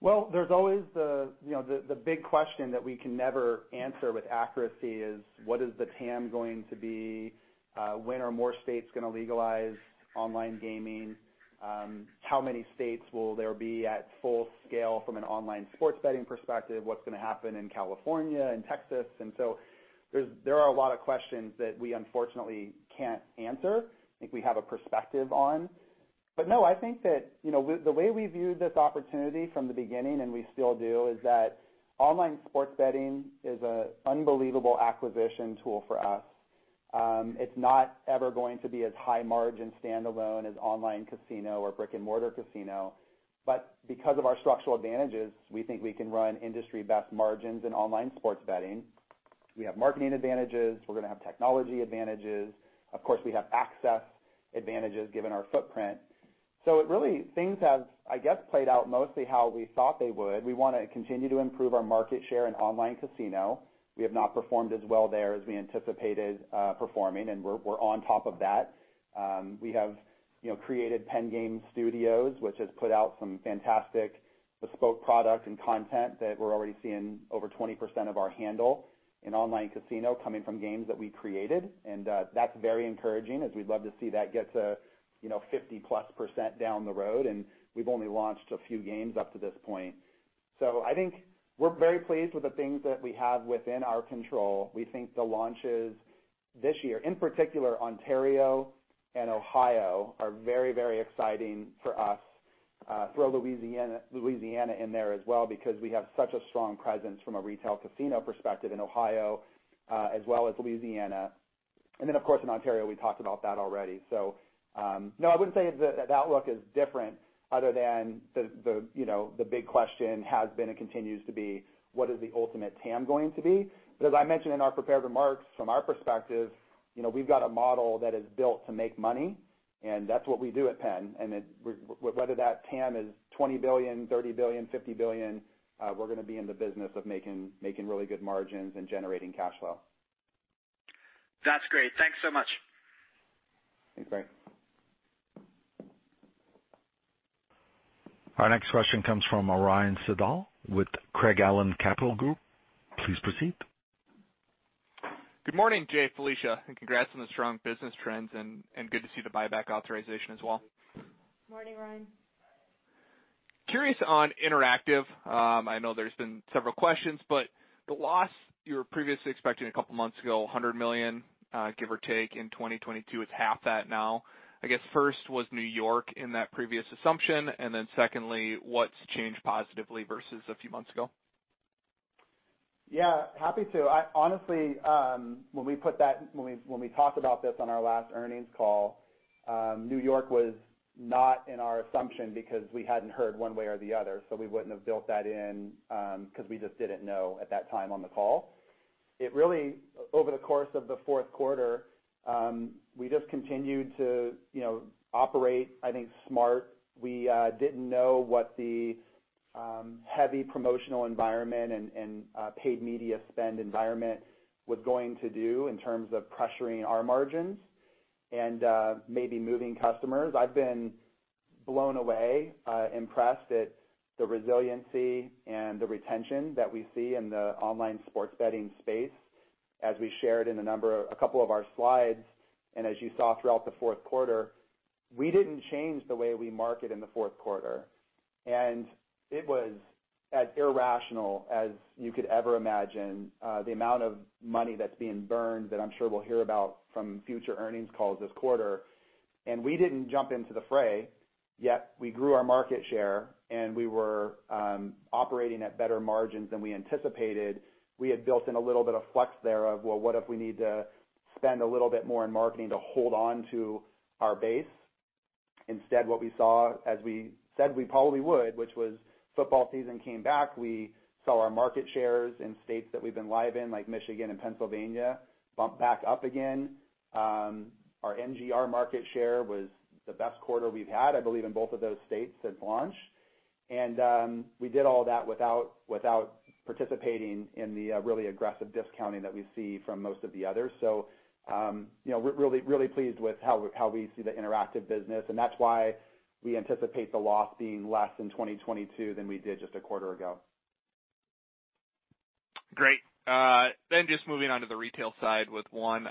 Speaker 3: Well, there's always, you know, the big question that we can never answer with accuracy is what is the TAM going to be? When are more states gonna legalize online gaming? How many states will there be at full scale from an online sports betting perspective? What's gonna happen in California and Texas? There are a lot of questions that we unfortunately can't answer, I think we have a perspective on. No, I think that, you know, with the way we viewed this opportunity from the beginning, and we still do, is that online sports betting is an unbelievable acquisition tool for us. It's not ever going to be as high margin standalone as online casino or brick-and-mortar casino. Because of our structural advantages, we think we can run industry-best margins in online sports betting. We have marketing advantages. We're gonna have technology advantages. Of course, we have access advantages given our footprint. Things have, I guess, played out mostly how we thought they would. We wanna continue to improve our market share in online casino. We have not performed as well there as we anticipated performing, and we're on top of that. We have, you know, created Penn Game Studios, which has put out some fantastic bespoke product and content that we're already seeing over 20% of our handle in online casino coming from games that we created. That's very encouraging as we'd love to see that get to, you know, 50%+ down the road, and we've only launched a few games up to this point. I think we're very pleased with the things that we have within our control. We think the launches this year, in particular Ontario and Ohio, are very, very exciting for us. Throw Louisiana in there as well because we have such a strong presence from a retail casino perspective in Ohio, as well as Louisiana. Then, of course, in Ontario, we talked about that already. No, I wouldn't say the outlook is different other than the you know, the big question has been and continues to be what is the ultimate TAM going to be? But as I mentioned in our prepared remarks, from our perspective. You know, we've got a model that is built to make money, and that's what we do at Penn. Whether that TAM is 20 billion, 30 billion, 50 billion, we're gonna be in the business of making really good margins and generating cash flow.
Speaker 8: That's great. Thanks so much.
Speaker 3: Thanks, Barry.
Speaker 1: Our next question comes from Ryan Sigdahl with Craig-Hallum Capital Group. Please proceed.
Speaker 9: Good morning, Jay, Felicia, and congrats on the strong business trends and good to see the buyback authorization as well.
Speaker 3: Morning, Ryan.
Speaker 9: Curious on interactive. I know there's been several questions, but the loss you were previously expecting a couple months ago, 100 million, give or take in 2022, it's half that now. I guess first was New York in that previous assumption, and then secondly, what's changed positively versus a few months ago?
Speaker 3: Yeah, happy to. Honestly, when we talked about this on our last earnings call, New York was not in our assumption because we hadn't heard one way or the other. We wouldn't have built that in, because we just didn't know at that time on the call. It really, over the course of the fourth quarter, we just continued to, you know, operate, I think, smart. We didn't know what the heavy promotional environment and paid media spend environment was going to do in terms of pressuring our margins and maybe moving customers. I've been blown away, impressed at the resiliency and the retention that we see in the online sports betting space. As we shared in a couple of our slides, and as you saw throughout the fourth quarter, we didn't change the way we market in the fourth quarter. It was as irrational as you could ever imagine, the amount of money that's being burned that I'm sure we'll hear about from future earnings calls this quarter. We didn't jump into the fray, yet we grew our market share, and we were operating at better margins than we anticipated. We had built in a little bit of flex there of, well, what if we need to spend a little bit more in marketing to hold on to our base. Instead, what we saw, as we said we probably would, which was football season came back, we saw our market shares in states that we've been live in, like Michigan and Pennsylvania, bump back up again. Our MGR market share was the best quarter we've had, I believe, in both of those states since launch. We did all that without participating in the really aggressive discounting that we see from most of the others. You know, we're really, really pleased with how we see the interactive business, and that's why we anticipate the loss being less in 2022 than we did just a quarter ago.
Speaker 9: Great. Just moving on to the retail side with one.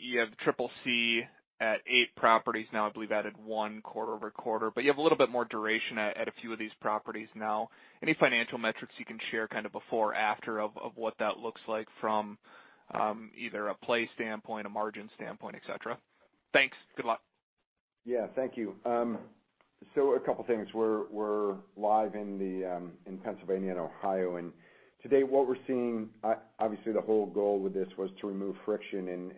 Speaker 9: You have the 3Cs at eight properties now, I believe, added one quarter-over-quarter. You have a little bit more duration at a few of these properties now. Any financial metrics you can share kind of before or after of what that looks like from either a play standpoint, a margin standpoint, etc.? Thanks. Good luck.
Speaker 6: Yeah. Thank you. A couple things. We're live in Pennsylvania and Ohio. Today, what we're seeing, obviously the whole goal with this was to remove friction.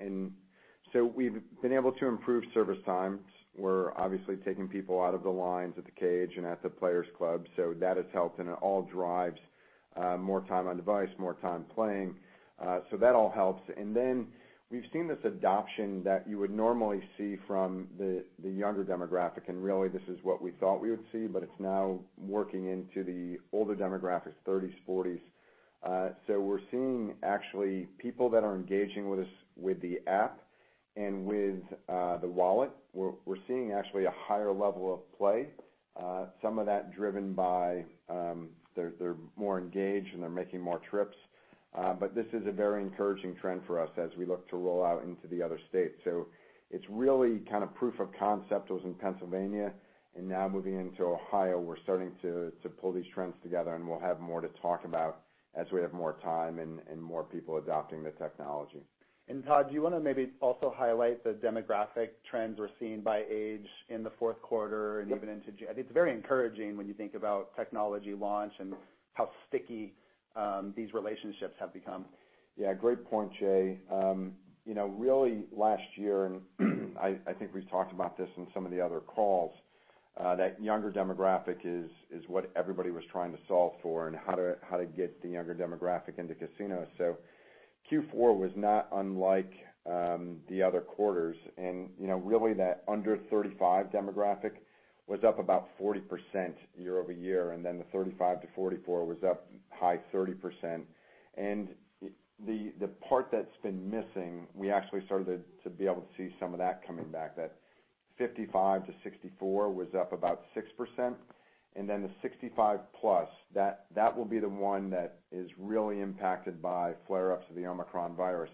Speaker 6: We've been able to improve service times. We're obviously taking people out of the lines at the cage and at the players club. That has helped, and it all drives more time on device, more time playing. That all helps. Then we've seen this adoption that you would normally see from the younger demographic, and really this is what we thought we would see, but it's now working into the older demographics, thirties, forties. We're seeing actually people that are engaging with us with the app and with the wallet. We're seeing actually a higher level of play, some of that driven by, they're more engaged, and they're making more trips. This is a very encouraging trend for us as we look to roll out into the other states. It's really kind of proof of concept was in Pennsylvania, and now moving into Ohio, we're starting to pull these trends together, and we'll have more to talk about as we have more time and more people adopting the technology.
Speaker 3: Todd, do you wanna maybe also highlight the demographic trends we're seeing by age in the fourth quarter and even into January? It's very encouraging when you think about technology launch and how sticky these relationships have become.
Speaker 6: Yeah, great point, Jay. You know, really last year, I think we've talked about this in some of the other calls, that younger demographic is what everybody was trying to solve for and how to get the younger demographic into casinos. Q4 was not unlike the other quarters. You know, really that under 35 demographic was up about 40% year-over-year, and then the 35-44 was up high 30%. The part that's been missing, we actually started to be able to see some of that coming back. That 55-64 was up about 6%. The 65+, that will be the one that is really impacted by flare-ups of the Omicron virus.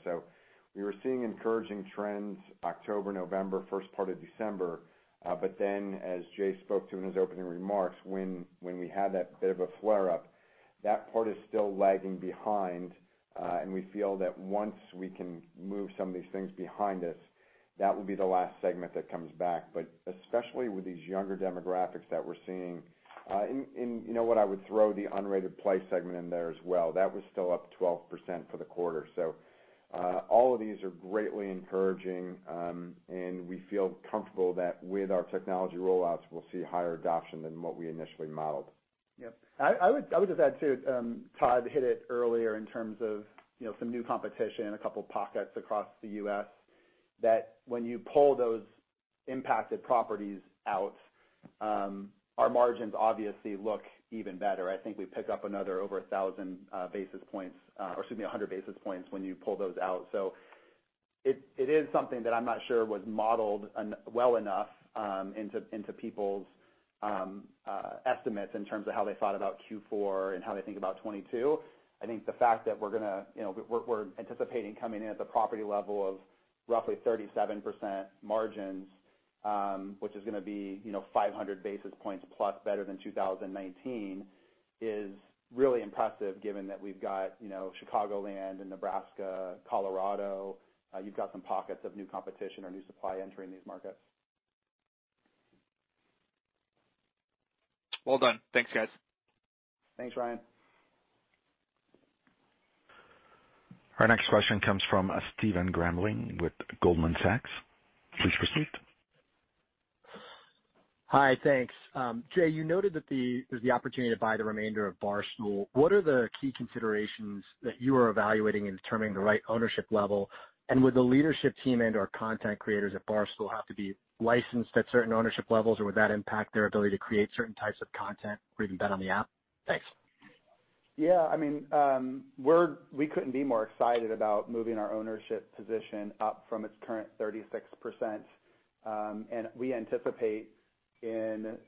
Speaker 6: We were seeing encouraging trends October, November, first part of December. As Jay spoke to in his opening remarks, when we had that bit of a flare-up, that part is still lagging behind. We feel that once we can move some of these things behind us, that will be the last segment that comes back. Especially with these younger demographics that we're seeing, you know what, I would throw the unrated play segment in there as well. That was still up 12% for the quarter. All of these are greatly encouraging, and we feel comfortable that with our technology rollouts, we'll see higher adoption than what we initially modeled.
Speaker 3: Yep. I would just add, too, Todd hit it earlier in terms of, you know, some new competition in a couple pockets across the U.S., that when you pull those impacted properties out, our margins obviously look even better. I think we pick up another over 1,000 basis points, or excuse me, 100 basis points when you pull those out. So it is something that I'm not sure was modeled not well enough into people's estimates in terms of how they thought about Q4 and how they think about 2022. I think the fact that we're gonna, you know, we're anticipating coming in at the property level of roughly 37% margins, which is gonna be, you know, 500 basis points plus better than 2019, is really impressive given that we've got, you know, Chicagoland and Nebraska, Colorado, you've got some pockets of new competition or new supply entering these markets.
Speaker 9: Well done. Thanks, guys.
Speaker 3: Thanks Ryan.
Speaker 1: Our next question comes from Stephen Grambling with Goldman Sachs. Please proceed.
Speaker 10: Hi. Thanks. Jay, you noted that there's the opportunity to buy the remainder of Barstool. What are the key considerations that you are evaluating in determining the right ownership level? And would the leadership team and/or content creators at Barstool have to be licensed at certain ownership levels, or would that impact their ability to create certain types of content or even bet on the app? Thanks.
Speaker 3: Yeah. I mean, we're we couldn't be more excited about moving our ownership position up from its current 36%. We anticipate at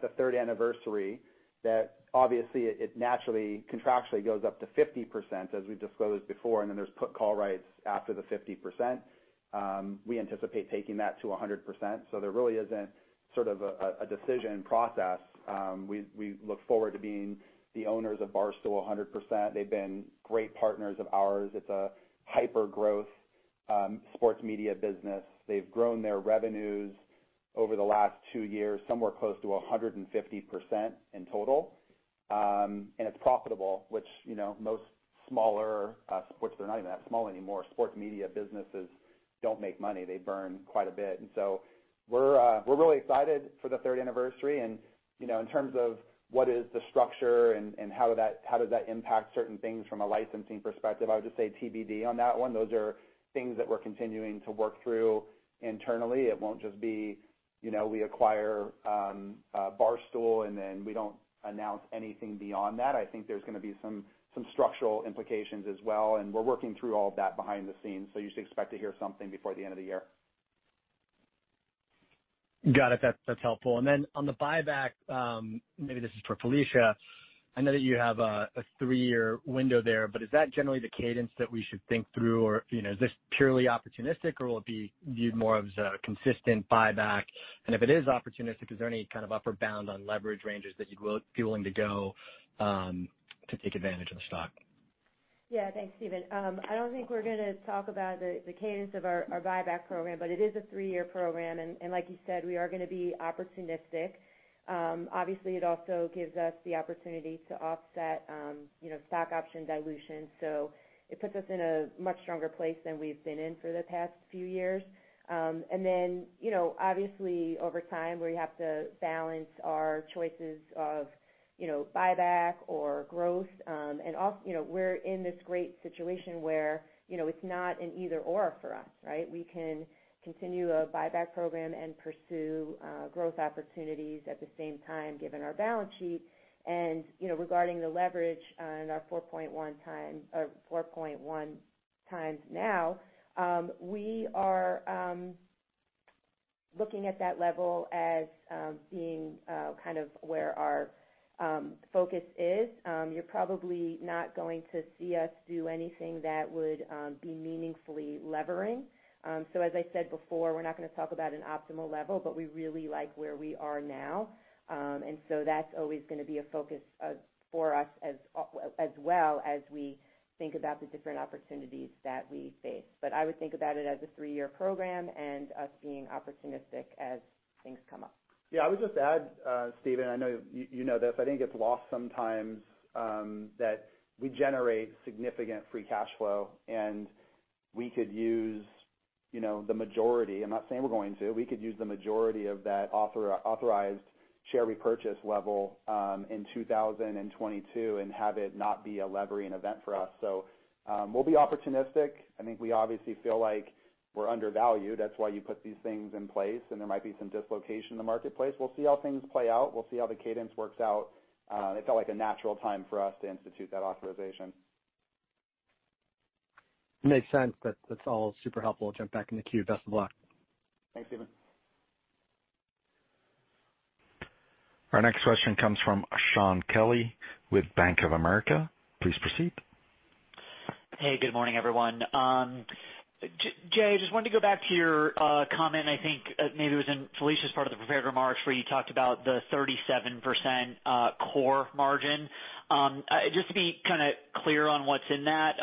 Speaker 3: the third anniversary that obviously it naturally contractually goes up to 50% as we've disclosed before, and then there's put call rights after the 50%. We anticipate taking that to 100%. There really isn't sort of a decision process. We look forward to being the owners of Barstool 100%. They've been great partners of ours. It's a hyper-growth sports media business. They've grown their revenues over the last two years somewhere close to 150% in total. It's profitable, which, you know, most smaller sports media businesses don't make money. They're not even that small anymore. They burn quite a bit. We're really excited for the third anniversary. You know, in terms of what is the structure and how that, how does that impact certain things from a licensing perspective, I would just say TBD on that one. Those are things that we're continuing to work through internally. It won't just be, you know, we acquire Barstool, and then we don't announce anything beyond that. I think there's gonna be some structural implications as well, and we're working through all of that behind the scenes. You should expect to hear something before the end of the year.
Speaker 10: Got it. That's helpful. Then on the buyback, maybe this is for Felicia, I know that you have a three-year window there, but is that generally the cadence that we should think through? Or, you know, is this purely opportunistic, or will it be viewed more as a consistent buyback? And if it is opportunistic, is there any kind of upper bound on leverage ranges that you'd be willing to go to take advantage of the stock?
Speaker 4: Yeah. Thanks, Stephen. I don't think we're gonna talk about the cadence of our buyback program, but it is a three-year program. Like you said, we are gonna be opportunistic. Obviously, it also gives us the opportunity to offset you know, stock option dilution. So it puts us in a much stronger place than we've been in for the past few years. Then, you know, obviously, over time, we have to balance our choices of you know, buyback or growth. You know, we're in this great situation where you know, it's not an either/or for us, right? We can continue a buyback program and pursue growth opportunities at the same time given our balance sheet. You know, regarding the leverage on our 4.1x now, we are looking at that level as being kind of where our focus is. You're probably not going to see us do anything that would be meaningfully levering. So as I said before, we're not gonna talk about an optimal level, but we really like where we are now. That's always gonna be a focus for us as well as we think about the different opportunities that we face. I would think about it as a three-year program and us being opportunistic as things come up.
Speaker 3: Yeah. I would just add, Stephen, I know you know this, I think it's lost sometimes that we generate significant free cash flow, and we could use, you know, the majority. I'm not saying we're going to. We could use the majority of that authorized share repurchase level in 2022 and have it not be a levering event for us. We'll be opportunistic. I think we obviously feel like we're undervalued. That's why you put these things in place, and there might be some dislocation in the marketplace. We'll see how things play out. We'll see how the cadence works out. It felt like a natural time for us to institute that authorization.
Speaker 10: Makes sense. That's all super helpful. I'll jump back in the queue. Best of luck.
Speaker 3: Thanks, Stephen.
Speaker 1: Our next question comes from Shaun Kelley with Bank of America. Please proceed.
Speaker 11: Hey, good morning, everyone. Jay, I just wanted to go back to your comment. I think maybe it was in Felicia's part of the prepared remarks where you talked about the 37% core margin. Just to be kinda clear on what's in that,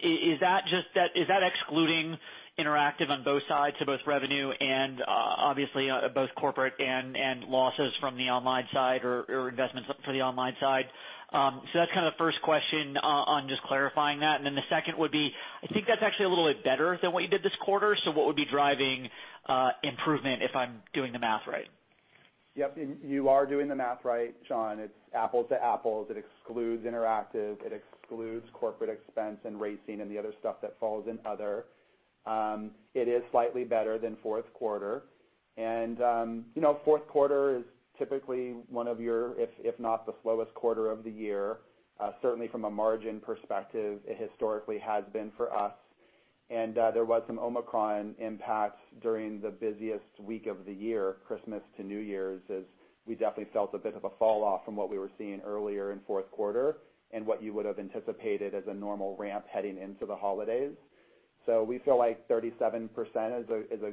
Speaker 11: is that excluding interactive on both sides, so both revenue and obviously both corporate and losses from the online side or investments for the online side? That's kinda the first question on just clarifying that. The second would be, I think that's actually a little bit better than what you did this quarter. What would be driving improvement if I'm doing the math right?
Speaker 3: Yep. You are doing the math right, Shaun. It's apples to apples. It excludes interactive. It excludes corporate expense and racing and the other stuff that falls in other. It is slightly better than fourth quarter. You know, fourth quarter is typically one of your, if not the slowest quarter of the year, certainly from a margin perspective, it historically has been for us. There was some Omicron impact during the busiest week of the year, Christmas to New Year's, as we definitely felt a bit of a fall off from what we were seeing earlier in fourth quarter and what you would have anticipated as a normal ramp heading into the holidays. We feel like 37% is a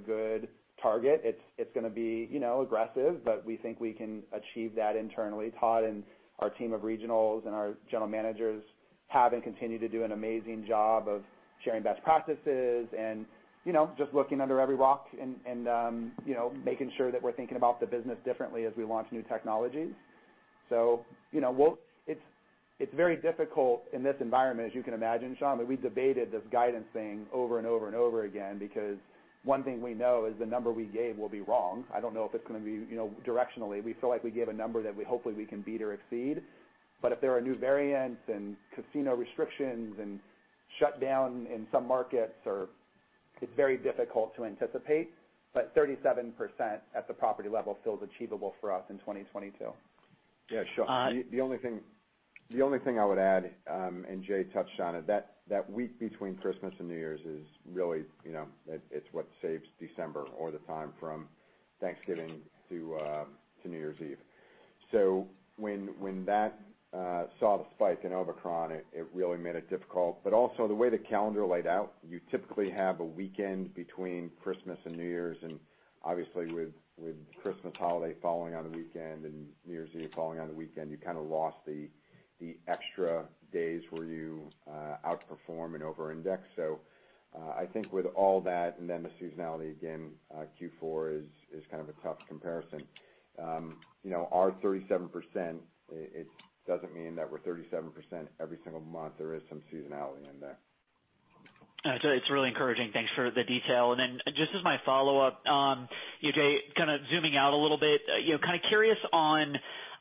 Speaker 3: good target. It's gonna be, you know, aggressive, but we think we can achieve that internally. Todd and our team of regionals and our general managers have and continue to do an amazing job of sharing best practices and, you know, just looking under every rock and, you know, making sure that we're thinking about the business differently as we launch new technologies. You know, it's very difficult in this environment, as you can imagine, Shaun, but we debated this guidance thing over and over and over again because one thing we know is the number we gave will be wrong. I don't know if it's gonna be, you know, directionally, we feel like we gave a number that we hopefully can beat or exceed. If there are new variants and casino restrictions and shutdown in some markets, it's very difficult to anticipate, but 37% at the property level feels achievable for us in 2022.
Speaker 6: Yeah, Shaun, the only thing I would add, and Jay Snowden touched on it, that week between Christmas and New Year's is really, you know, it's what saves December or the time from Thanksgiving to New Year's Eve. When that saw the spike in Omicron, it really made it difficult. Also the way the calendar laid out, you typically have a weekend between Christmas and New Year's, and obviously with Christmas holiday following on the weekend and New Year's Eve following on the weekend, you kind of lost the extra days where you outperform and over-index. I think with all that and then the seasonality, again, Q4 is kind of a tough comparison. You know, our 37%, it doesn't mean that we're 37% every single month. There is some seasonality in there.
Speaker 11: It's really encouraging. Thanks for the detail. Just as my follow-up, yeah, Jay, kind of zooming out a little bit, you know, kind of curious on, you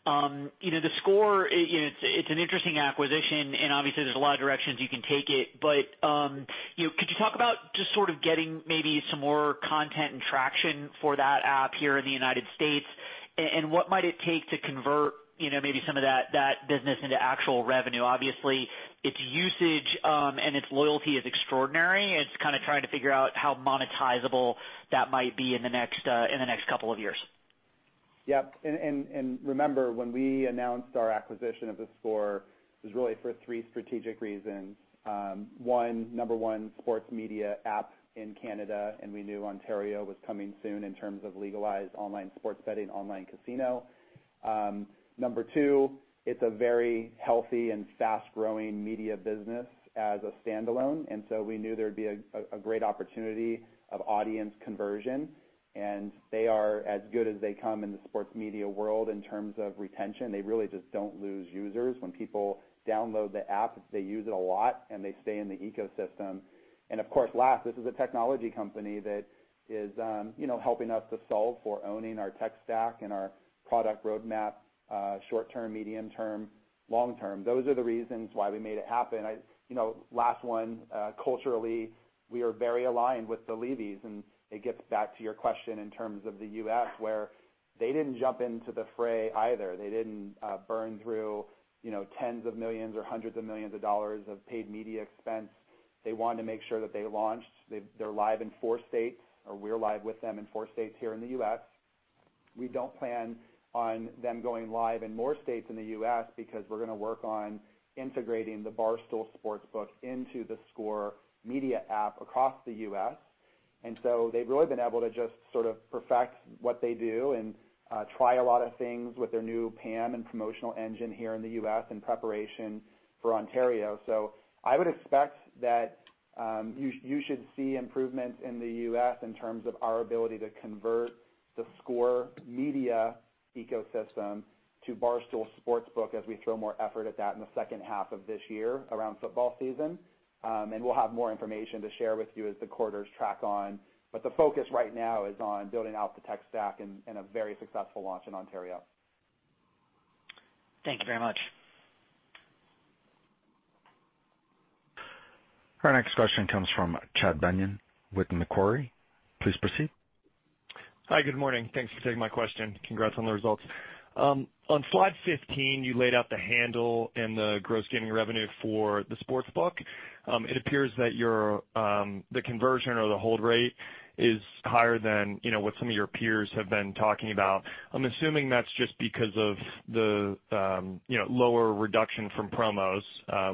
Speaker 11: know, theScore, it's an interesting acquisition, and obviously there's a lot of directions you can take it. You know, could you talk about just sort of getting maybe some more content and traction for that app here in the United States? What might it take to convert, you know, maybe some of that business into actual revenue? Obviously, its usage and its loyalty is extraordinary. It's kind of trying to figure out how monetizable that might be in the next couple of years.
Speaker 3: Yep. Remember, when we announced our acquisition of theScore, it was really for three strategic reasons. One, number one sports media app in Canada, and we knew Ontario was coming soon in terms of legalized online sports betting, online casino. Number two, it's a very healthy and fast-growing media business as a standalone, so we knew there would be a great opportunity of audience conversion. They are as good as they come in the sports media world in terms of retention. They really just don't lose users. When people download the app, they use it a lot, and they stay in the ecosystem. Of course, last, this is a technology company that is, you know, helping us to solve for owning our tech stack and our product roadmap, short term, medium term, long term. Those are the reasons why we made it happen. You know, last one, culturally, we are very aligned with the Levys, and it gets back to your question in terms of the U.S. where they didn't jump into the fray either. They didn't burn through, you know, $10s of millions or $100s of millions of paid media expense. They wanted to make sure that they launched. They're live in four states, or we're live with them in four states here in the U.S. We don't plan on them going live in more states in the U.S. because we're gonna work on integrating the Barstool Sportsbook into theScore media app across the U.S. So they've really been able to just sort of perfect what they do and try a lot of things with their new PAM and promotional engine here in the U.S. In preparation for Ontario, I would expect that you should see improvements in the U.S. in terms of our ability to convert theScore media ecosystem to Barstool Sportsbook as we throw more effort at that in the second half of this year around football season. We'll have more information to share with you as the quarters tick on. The focus right now is on building out the tech stack and a very successful launch in Ontario.
Speaker 11: Thank you very much.
Speaker 1: Our next question comes from Chad Beynon with Macquarie. Please proceed.
Speaker 12: Hi, good morning. Thanks for taking my question. Congrats on the results. On slide 15, you laid out the handle and the gross gaming revenue for the sportsbook. It appears that your, the conversion or the hold rate is higher than, you know, what some of your peers have been talking about. I'm assuming that's just because of the, you know, lower reduction from promos,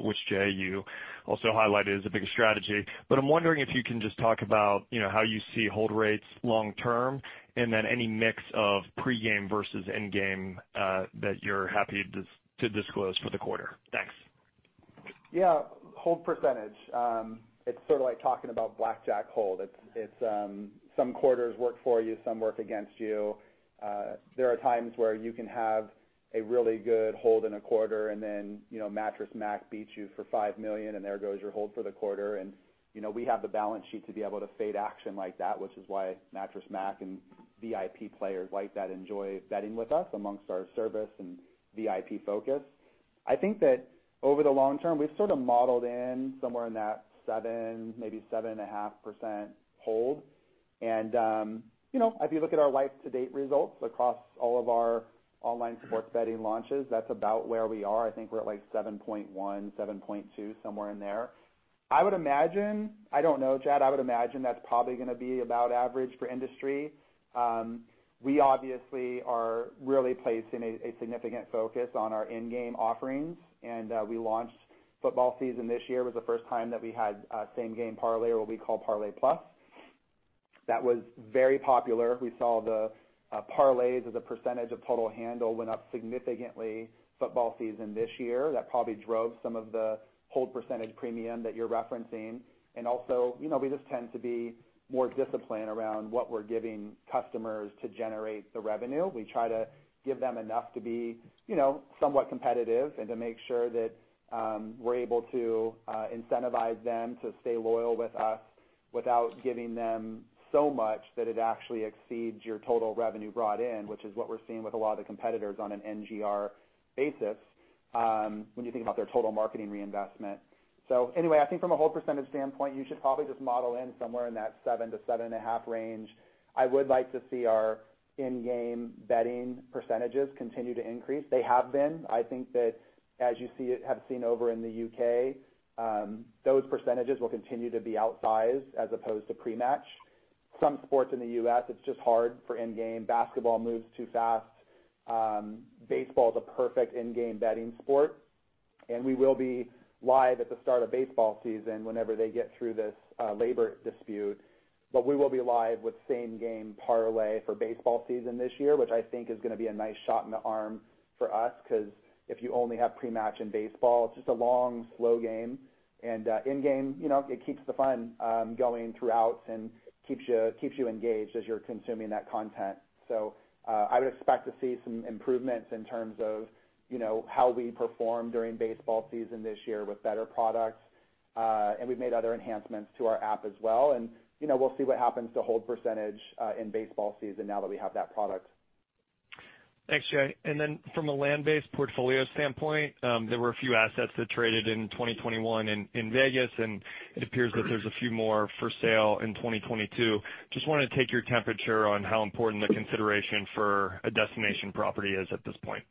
Speaker 12: which Jay, you also highlighted as a big strategy. I'm wondering if you can just talk about, you know, how you see hold rates long term, and then any mix of pre-game versus in-game, that you're happy to disclose for the quarter. Thanks.
Speaker 3: Yeah. Hold percentage, it's sort of like talking about blackjack hold. It's some quarters work for you, some work against you. There are times where you can have a really good hold in a quarter and then, you know, Mattress Mack beats you for 5 million and there goes your hold for the quarter. We have the balance sheet to be able to fade action like that, which is why Mattress Mack and VIP players like that enjoy betting with us amongst our service and VIP focus. I think that over the long term, we've sort of modeled in somewhere in that 7%, maybe 7.5% hold. If you look at our life to date results across all of our online sports betting launches, that's about where we are. I think we're at like 7.1%-7.2%, somewhere in there. I don't know, Chad. I would imagine that's probably gonna be about average for industry. We obviously are really placing a significant focus on our in-game offerings, and we launched it in football season this year. It was the first time that we had same game parlay, or what we call Parlay Plus. That was very popular. We saw the parlays as a percentage of total handle went up significantly in football season this year. That probably drove some of the hold percentage premium that you're referencing. Also, you know, we just tend to be more disciplined around what we're giving customers to generate the revenue. We try to give them enough to be, you know, somewhat competitive and to make sure that we're able to incentivize them to stay loyal with us without giving them so much that it actually exceeds your total revenue brought in, which is what we're seeing with a lot of the competitors on an NGR basis, when you think about their total marketing reinvestment. Anyway, I think from a whole percentage standpoint, you should probably just model in somewhere in that 7%-7.5% range. I would like to see our in-game betting percentages continue to increase. They have been. I think that as you have seen over in the U.K., those percentages will continue to be outsized as opposed to pre-match. Some sports in the U.S., it's just hard for in-game. Basketball moves too fast. Baseball is a perfect in-game betting sport, and we will be live at the start of baseball season whenever they get through this labor dispute. We will be live with same game parlay for baseball season this year, which I think is gonna be a nice shot in the arm for us, 'cause if you only have pre-match in baseball, it's just a long, slow game. In-game, you know, it keeps the fun going throughout and keeps you engaged as you're consuming that content. I would expect to see some improvements in terms of, you know, how we perform during baseball season this year with better products. We've made other enhancements to our app as well. You know, we'll see what happens to hold percentage in baseball season now that we have that product.
Speaker 12: Thanks, Jay. From a land-based portfolio standpoint, there were a few assets that traded in 2021 in Vegas, and it appears that there's a few more for sale in 2022. Just wanna take your temperature on how important the consideration for a destination property is at this point.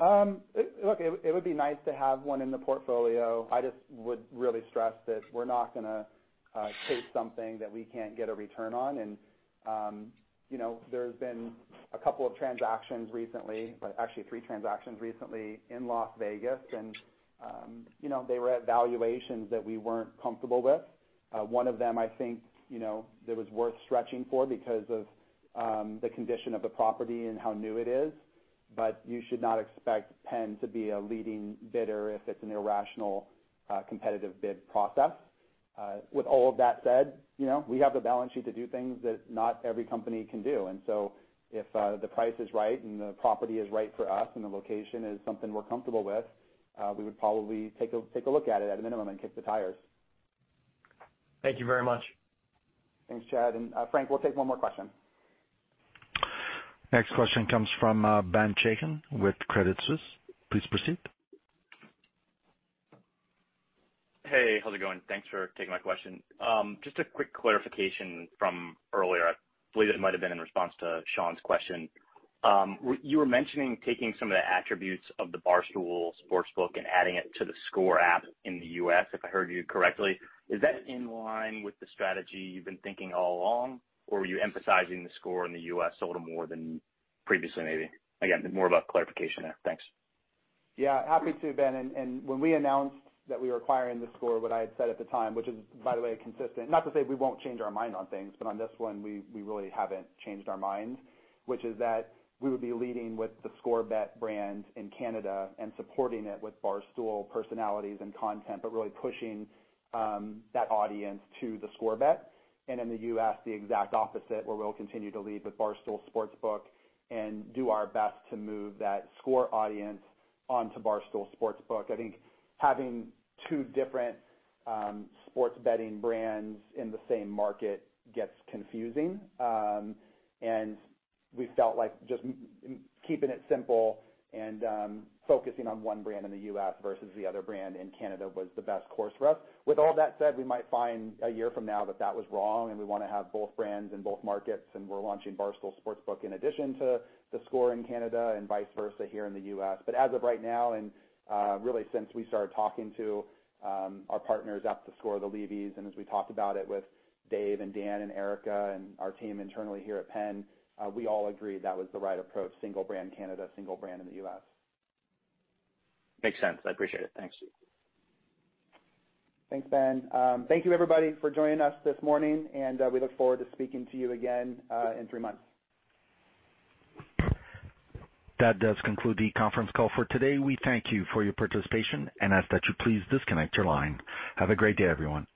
Speaker 3: Look, it would be nice to have one in the portfolio. I just would really stress that we're not gonna chase something that we can't get a return on. You know, there's been a couple of transactions recently, but actually three transactions recently in Las Vegas. You know, they were at valuations that we weren't comfortable with. One of them, I think, you know, that was worth stretching for because of the condition of the property and how new it is, but you should not expect Penn to be a leading bidder if it's an irrational competitive bid process. With all of that said, you know, we have the balance sheet to do things that not every company can do. If the price is right and the property is right for us and the location is something we're comfortable with, we would probably take a look at it at a minimum and kick the tires.
Speaker 12: Thank you very much.
Speaker 3: Thanks, Chad. Frank, we'll take one more question.
Speaker 1: Next question comes from Ben Chaiken with Credit Suisse. Please proceed.
Speaker 13: Hey, how's it going? Thanks for taking my question. Just a quick clarification from earlier. I believe this might have been in response to Shaun's question. You were mentioning taking some of the attributes of the Barstool Sportsbook and adding it to theScore app in the U.S., if I heard you correctly. Is that in line with the strategy you've been thinking all along, or were you emphasizing theScore in the U.S. a little more than previously maybe? Again, more about clarification there. Thanks.
Speaker 3: Yeah, happy to, Ben Chaiken. When we announced that we were acquiring theScore, what I had said at the time, which is, by the way, consistent. Not to say we won't change our mind on things, but on this one, we really haven't changed our minds, which is that we would be leading with theScore Bet brand in Canada and supporting it with Barstool personalities and content, but really pushing that audience to theScore Bet. In the U.S., the exact opposite, where we'll continue to lead with Barstool Sportsbook and do our best to move that theScore audience onto Barstool Sportsbook. I think having two different sports betting brands in the same market gets confusing. We felt like just keeping it simple and focusing on one brand in the US versus the other brand in Canada was the best course for us. With all that said, we might find a year from now that was wrong, and we wanna have both brands in both markets, and we're launching Barstool Sportsbook in addition to theScore in Canada and vice versa here in the U.S. As of right now, really since we started talking to our partners up at theScore, the Levys, and as we talked about it with Dave and Dan and Erica and our team internally here at Penn, we all agreed that was the right approach, single brand Canada, single brand in the U.S.
Speaker 13: Makes sense. I appreciate it. Thanks.
Speaker 3: Thanks, Ben. Thank you everybody for joining us this morning, and we look forward to speaking to you again in three months.
Speaker 1: That does conclude the conference call for today. We thank you for your participation and ask that you please disconnect your line. Have a great day, everyone.